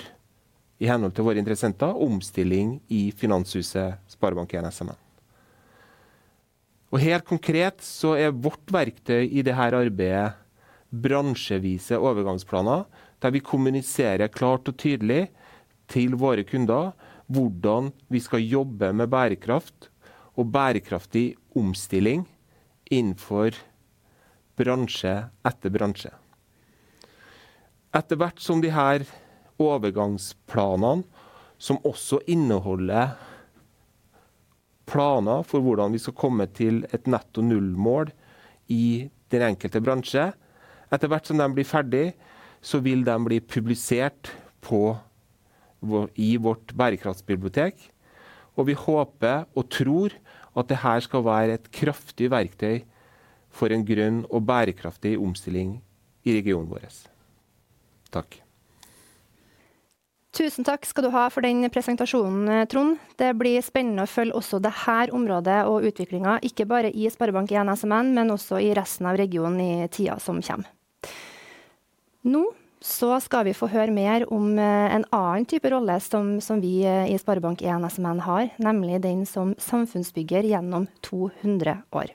i henhold til våre interessenter omstilling i finanshuset SpareBank 1 SMN. Helt konkret så er vårt verktøy i det her arbeidet bransjevise overgangsplaner der vi kommuniserer klart og tydelig til våre kunder hvordan vi skal jobbe med bærekraft og bærekraftig omstilling innenfor bransje etter bransje. Etter hvert som de her overgangsplanene, som også inneholder planer for hvordan vi skal komme til et netto null mål i den enkelte bransje, Etter hvert som de blir ferdig, så vil de bli publisert i vårt bærekraftsbibliotek, og vi håper og tror at det her skal være et kraftig verktøy for en grønn og bærekraftig omstilling i regionen vår. Takk. Tusen takk skal du ha for den presentasjonen, Trond. Det blir spennende å følge også det her området og utviklingen ikke bare i SpareBank 1 SMN, men også i resten av regionen i tiden som kommer. Nå så skal vi få høre mer om en annen type rolle som vi i SpareBank 1 SMN har, nemlig den som samfunnsbygger gjennom 200 år.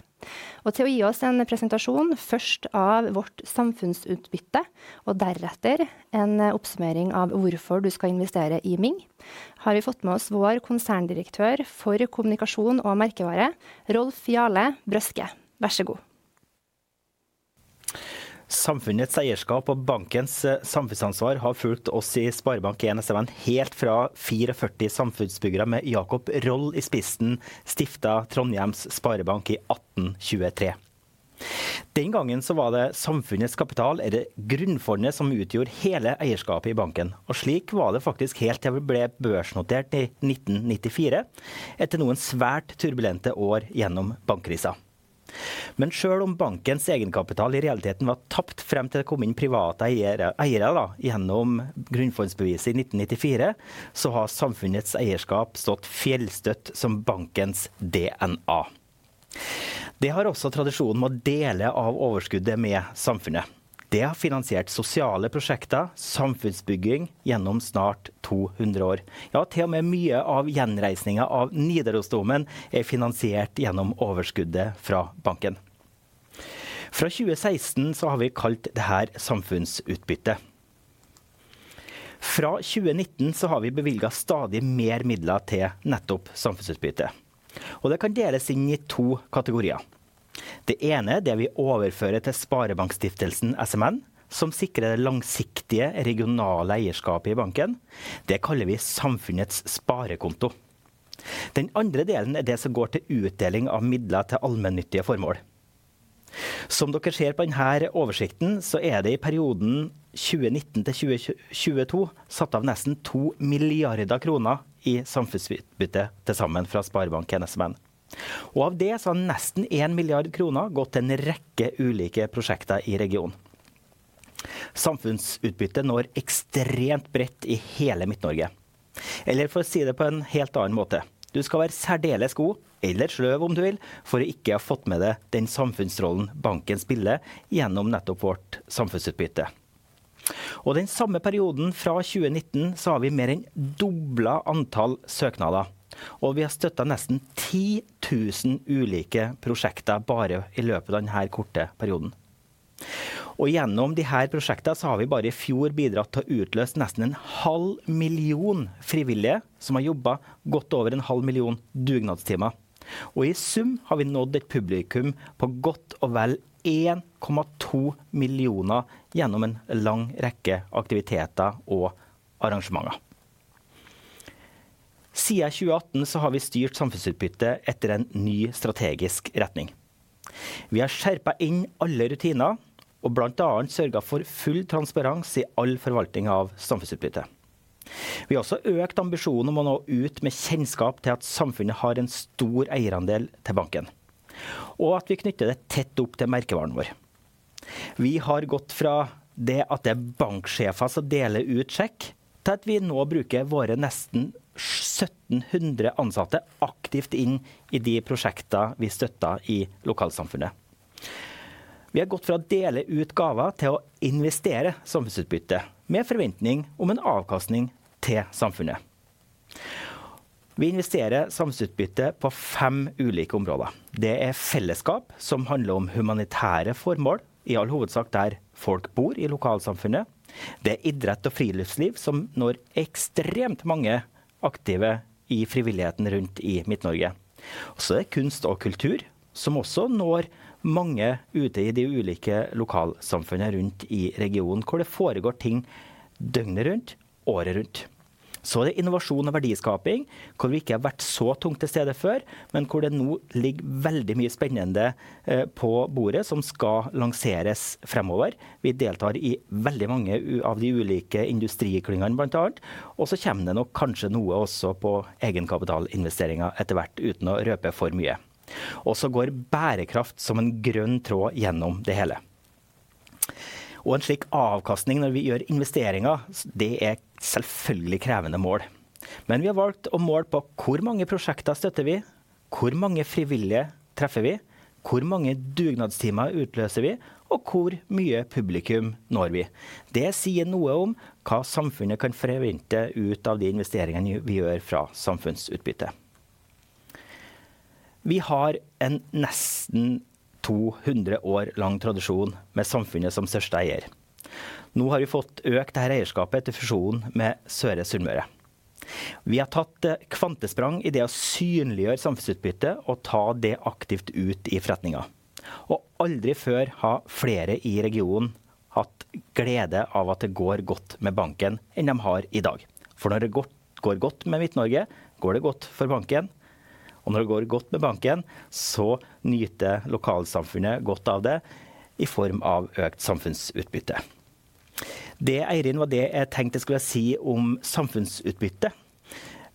Og til å gi oss en presentasjon først av vårt samfunnsutbytte og deretter en oppsummering av hvorfor du skal investere i MING, har vi fått med oss vår Konserndirektør for kommunikasjon og merkevare, Rolf Jale Brøske. Vær så god! Samfunnets eierskap og bankens samfunnsansvar har fulgt oss i SpareBank 1 SMN helt fra 44 samfunnsbyggere med Jacob Roll i spissen stiftet Trondhjems Sparebank i 1823. Den gangen var det samfunnets kapital eller grunnfondet som utgjorde hele eierskapet i banken. Slik var det faktisk helt til vi ble børsnotert i 1994, etter noen svært turbulente år gjennom bankkrisen. Selv om bankens egenkapital i realiteten var tapt frem til det kom inn private eiere gjennom grunnfondsbevis i 1994, så har samfunnets eierskap stått fjellstøtt som bankens DNA. Det har også tradisjon med å dele av overskuddet med samfunnet. Det har finansiert sosiale prosjekter, samfunnsbygging gjennom snart 200 years, ja til og med mye av gjenreisingen av Nidarosdomen er finansiert gjennom overskuddet fra banken. Fra 2016 så har vi kalt det her samfunnsutbytte. Fra 2019 har vi bevilget stadig mer midler til nettopp samfunnsutbytte. Det kan deles inn i to kategorier. Det ene er det vi overfører til Sparebankstiftelsen SMN, som sikrer det langsiktige regionale eierskapet i banken. Det kaller vi samfunnets sparekonto. Den andre delen er det som går til utdeling av midler til allmennyttige formål. Som dere ser på den her oversikten, er det i perioden 2019 til 2022 satt av nesten 2 billion kroner i samfunnsutbytte til sammen fra SpareBank 1 SMN, av det har nesten 1 billion kroner gått til en rekke ulike prosjekter i regionen. Samfunnsutbyttet når ekstremt bredt i hele Midt-Norge. For å si det på en helt annen måte. Du skal være særdeles god eller sløv om du vil for å ikke ha fått med deg den samfunnsrollen banken spiller gjennom nettopp vårt samfunnsutbytte og den samme perioden fra 2019 så har vi mer enn doblet antall søknader, og vi har støttet nesten 10,000 ulike prosjekter bare i løpet av den her korte perioden. Gjennom de her prosjektene har vi bare i fjor bidratt til å utløse nesten half a million frivillige som har jobbet godt over half a million dugnadstimer. I sum har vi nådd et publikum på godt og vel 1.2 million gjennom en lang rekke aktiviteter og arrangementer. Siden 2018 så har vi styrt samfunnsutbyttet etter en ny strategisk retning. Vi har skjerpet inn alle rutiner og blant annet sørget for full transparens i all forvaltning av samfunnsutbyttet. Vi har også økt ambisjonene om å nå ut med kjennskap til at samfunnet har en stor eierandel til banken, og at vi knytter det tett opp til merkevaren vår. Vi har gått fra det at det er banksjefer som deler ut sjekk til at vi nå bruker våre nesten 1,700 ansatte aktivt inn i de prosjektene vi støtter i lokalsamfunnet. Vi har gått fra å dele ut gaver til å investere samfunnsutbytte med forventning om en avkastning til samfunnet. Vi investerer samfunnsutbytte på fem ulike områder. Det er fellesskap som handler om humanitære formål, i all hovedsak der folk bor i lokalsamfunnet. Det er idrett og friluftsliv som når ekstremt mange aktive i frivilligheten rundt i Midt-Norge. Så er det kunst og kultur som også når mange ute i de ulike lokalsamfunnene rundt i regionen, hvor det foregår ting døgnet rundt, året rundt. Det er innovasjon og verdiskaping, hvor vi ikke har vært så tungt til stede før, men hvor det nå ligger veldig mye spennende på bordet som skal lanseres fremover. Vi deltar i veldig mange av de ulike industriklyngene blant annet. Det kommer nok kanskje noe også på egenkapitalinvesteringer etter hvert, uten å røpe for mye. Det går bærekraft som en grønn tråd gjennom det hele. Og en slik avkastning når vi gjør investeringer. Det er selvfølgelig krevende mål, men vi har valgt å måle på hvor mange prosjekter støtter vi, hvor mange frivillige treffer vi, hvor mange dugnadstimer utløser vi og hvor mye publikum når vi? Det sier noe om hva samfunnet kan forvente ut av de investeringene vi gjør fra samfunnsutbytte. Vi har en nesten 200 år lang tradisjon med samfunnet som største eier. Nå har vi fått økt dette eierskapet etter fusjonen med Søre Sunnmøre. Vi har tatt kvantesprang i det å synliggjøre samfunnsutbyttet og ta det aktivt ut i forretningen. Aldri før har flere i regionen hatt glede av at det går godt med banken enn de har i dag. Når det går godt med Midt-Norge går det godt for banken, og når det går godt med banken, så nyter lokalsamfunnet godt av det i form av økt samfunnsutbytte. Det Eirin, var det jeg tenkte skulle si om samfunnsutbytte.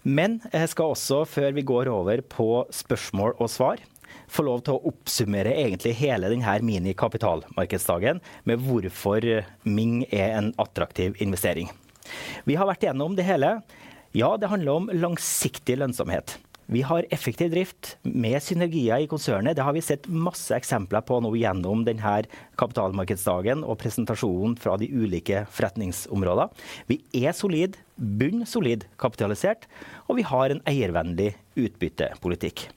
Jeg skal også før vi går over på spørsmål og svar, få lov til å oppsummere egentlig hele den her mini kapitalmarkedsdagen med hvorfor MING er en attraktiv investering. Vi har vært igjennom det hele. Det handler om langsiktig lønnsomhet. Vi har effektiv drift med synergier i konsernet. Det har vi sett masse eksempler på nå gjennom den her kapitalmarkedsdagen og presentasjonen fra de ulike forretningsområdene. Vi er solid bunn solid kapitalisert og vi har en eiervennlig utbyttepolitikk.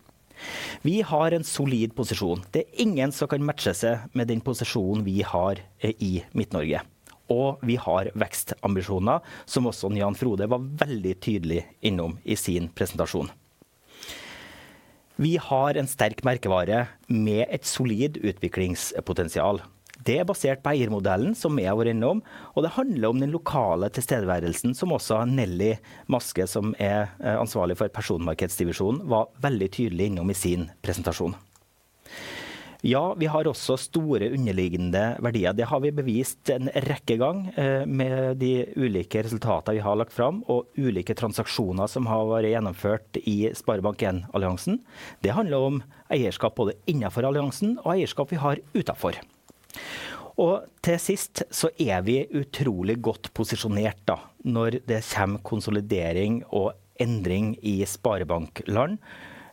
Vi har en solid posisjon. Det er ingen som kan matche seg med den posisjonen vi har i Midt-Norge, og vi har vekstambisjoner som også Jan Frode var veldig tydelig innom i sin presentasjon. Vi har en sterk merkevare med et solid utviklingspotensial. Det er basert på eiermodellen som jeg har vært innom, og det handler om den lokale tilstedeværelsen som også Nelly Maske, som er ansvarlig for personmarkedsdivisjonen, var veldig tydelig innom i sin presentasjon. Ja, vi har også store underliggende verdier. Det har vi bevist en rekke gang med de ulike resultatene vi har lagt fram og ulike transaksjoner som har vært gjennomført i SpareBank 1-alliansen. Det handler om eierskap både innenfor alliansen og eierskap vi har utenfor. Til sist så er vi utrolig godt posisjonert da når det kommer konsolidering og endring i sparebankland.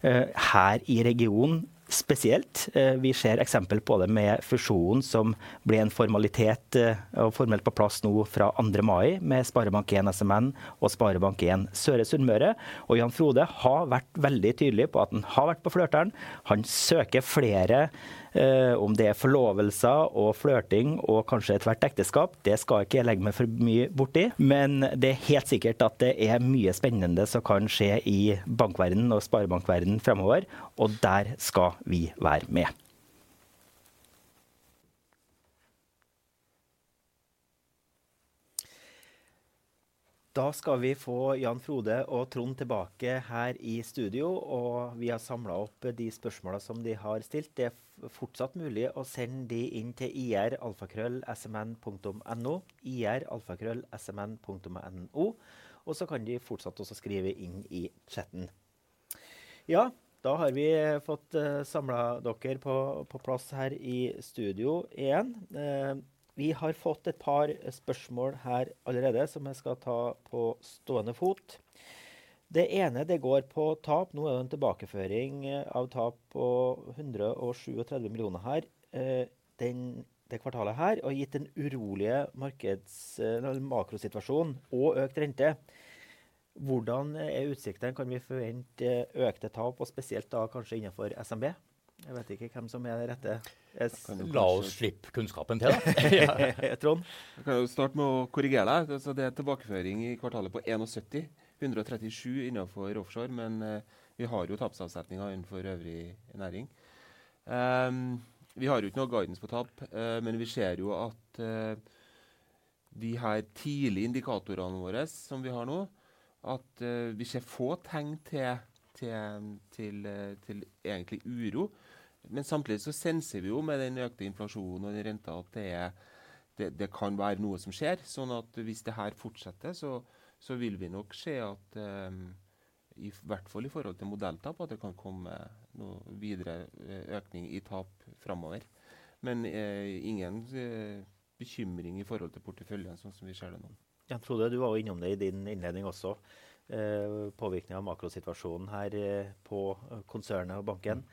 Her i regionen spesielt. Vi ser eksempel på det med fusjonen, som ble en formalitet og formelt på plass nå fra 2. mai med SpareBank 1 SMN og SpareBank 1 Søre Sunnmøre. Jan Frode har vært veldig tydelig på at han har vært på flørten. Han søker flere. Om det er forlovelser og flørting og kanskje et hvert ekteskap, det skal ikke jeg legge meg for mye bort i. Det er helt sikkert at det er mye spennende som kan skje i bankverdenen og sparebankverdenen framover. Der skal vi være med. Skal vi få Jan Frode og Trond tilbake her i studio, og vi har samlet opp de spørsmålene som de har stilt. Det er fortsatt mulig å sende de inn til IR@SMN.NO IR@SMN.NO. Så kan de fortsatt også skrive inn i chatten. Ja, da har vi fått samlet dere på plass her i studio 1. Vi har fått et par spørsmål her allerede som jeg skal ta på stående fot. Det ene det går på tap. Det er en tilbakeføring av tap på NOK 137 million her, det kvartalet her, og gitt den urolige markedsmakrosituasjonen og økt rente. Hvordan er utsiktene? Kan vi forvente økte tap og spesielt da kanskje innenfor SMB? Jeg vet ikke hvem som er rette. La oss slippe kunnskapen til. Trond. Kan jo starte med å korrigere deg. Det er tilbakeføring i kvartalet på NOK 71, 137 innenfor offshore. Vi har jo tapsavsetninger innenfor øvrig næring. Vi har jo ikke noe guidance på tap. Vi ser jo at de her tidlig indikatorene våres som vi har nå, at vi ser få tegn til uro. Samtidig så senser vi jo med den økte inflasjonen og den renten at det kan være noe som skjer. Hvis det her fortsetter, så vil vi nok se at i hvert fall i forhold til modeltap, at det kan komme noe videre økning i tap framover. Ingen bekymring i forhold til porteføljen sånn som vi ser det nå. Jan Frode, du var jo innom det i din innledning også. Påvirkning av makrosituasjonen her på konsernet og banken.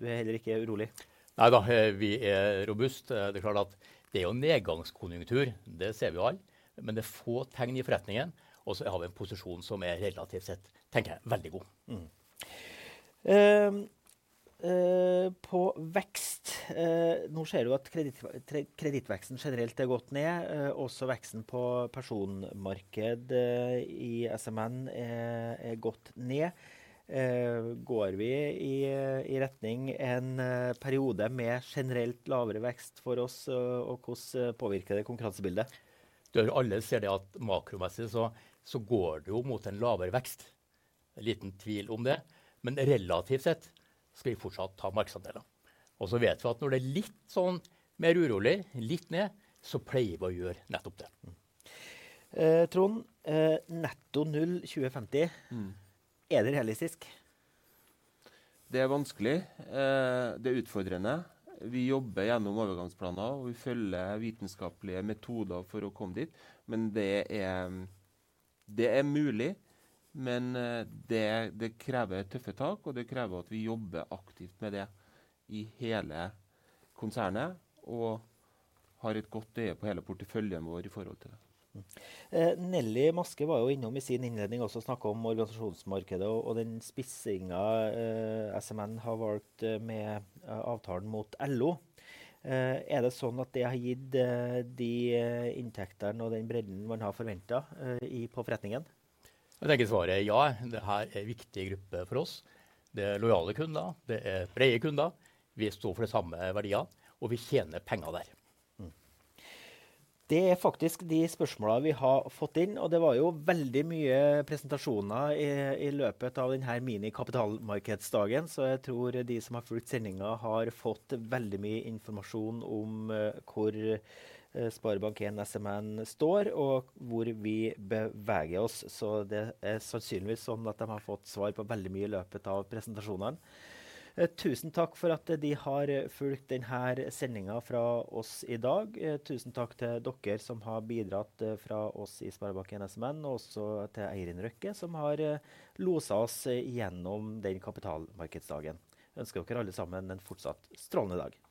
Du er heller ikke urolig? Neida, vi er robuste. Det er klart at det er jo nedgangskonjunktur, det ser vi jo alle. Det er få tegn i forretningen. Har vi en posisjon som er relativt sett tenker jeg veldig god. På vekst. Nå ser du jo at kredittveksten generelt har gått ned. Også veksten på personmarked i SMN er gått ned. Går vi i retning en periode med generelt lavere vekst for oss og hvordan påvirker det konkurransebildet? Du alle ser det at makromessig så går det jo mot en lavere vekst. Det er liten tvil om det. Relativt sett skal vi fortsatt ta markedsandeler. Vet vi at når det er litt sånn mer urolig litt ned, så pleier vi å gjøre nettopp det. Trond. Netto null 2050. Er det realistisk? Det er vanskelig. Det er utfordrende. Vi jobber gjennom overgangsplaner, og vi følger vitenskapelige metoder for å komme dit. Det er, det er mulig, men det krever tøffe tak, og det krever at vi jobber aktivt med det i hele konsernet og har et godt øye på hele porteføljen vår i forhold til det. Nelly Maske var jo innom i sin innledning også å snakke om organisasjonsmarkedet og den spissingen SMN har valgt med avtalen mot LO. Er det sånn at det har gitt de inntektene og den bredden man har forventet i på forretningen? Jeg tenker svaret er ja. Det her er en viktig gruppe for oss. Det er lojale kunder. Det er brede kunder. Vi står for de samme verdiene og vi tjener penger der. Det er faktisk de spørsmålene vi har fått inn. Det var jo veldig mye presentasjoner i løpet av den her mini kapitalmarkedsdagen. Jeg tror de som har fulgt sendingen har fått veldig mye informasjon om hvor SpareBank 1 SMN står og hvor vi beveger oss. Det er sannsynligvis sånn at de har fått svar på veldig mye i løpet av presentasjonene. Tusen takk for at de har fulgt den her sendingen fra oss i dag. Tusen takk til dere som har bidratt fra oss i SpareBank 1 SMN og også til Eirin Røkke som har loset oss gjennom den kapitalmarkedsdagen. Ønsker dere alle sammen en fortsatt strålende dag!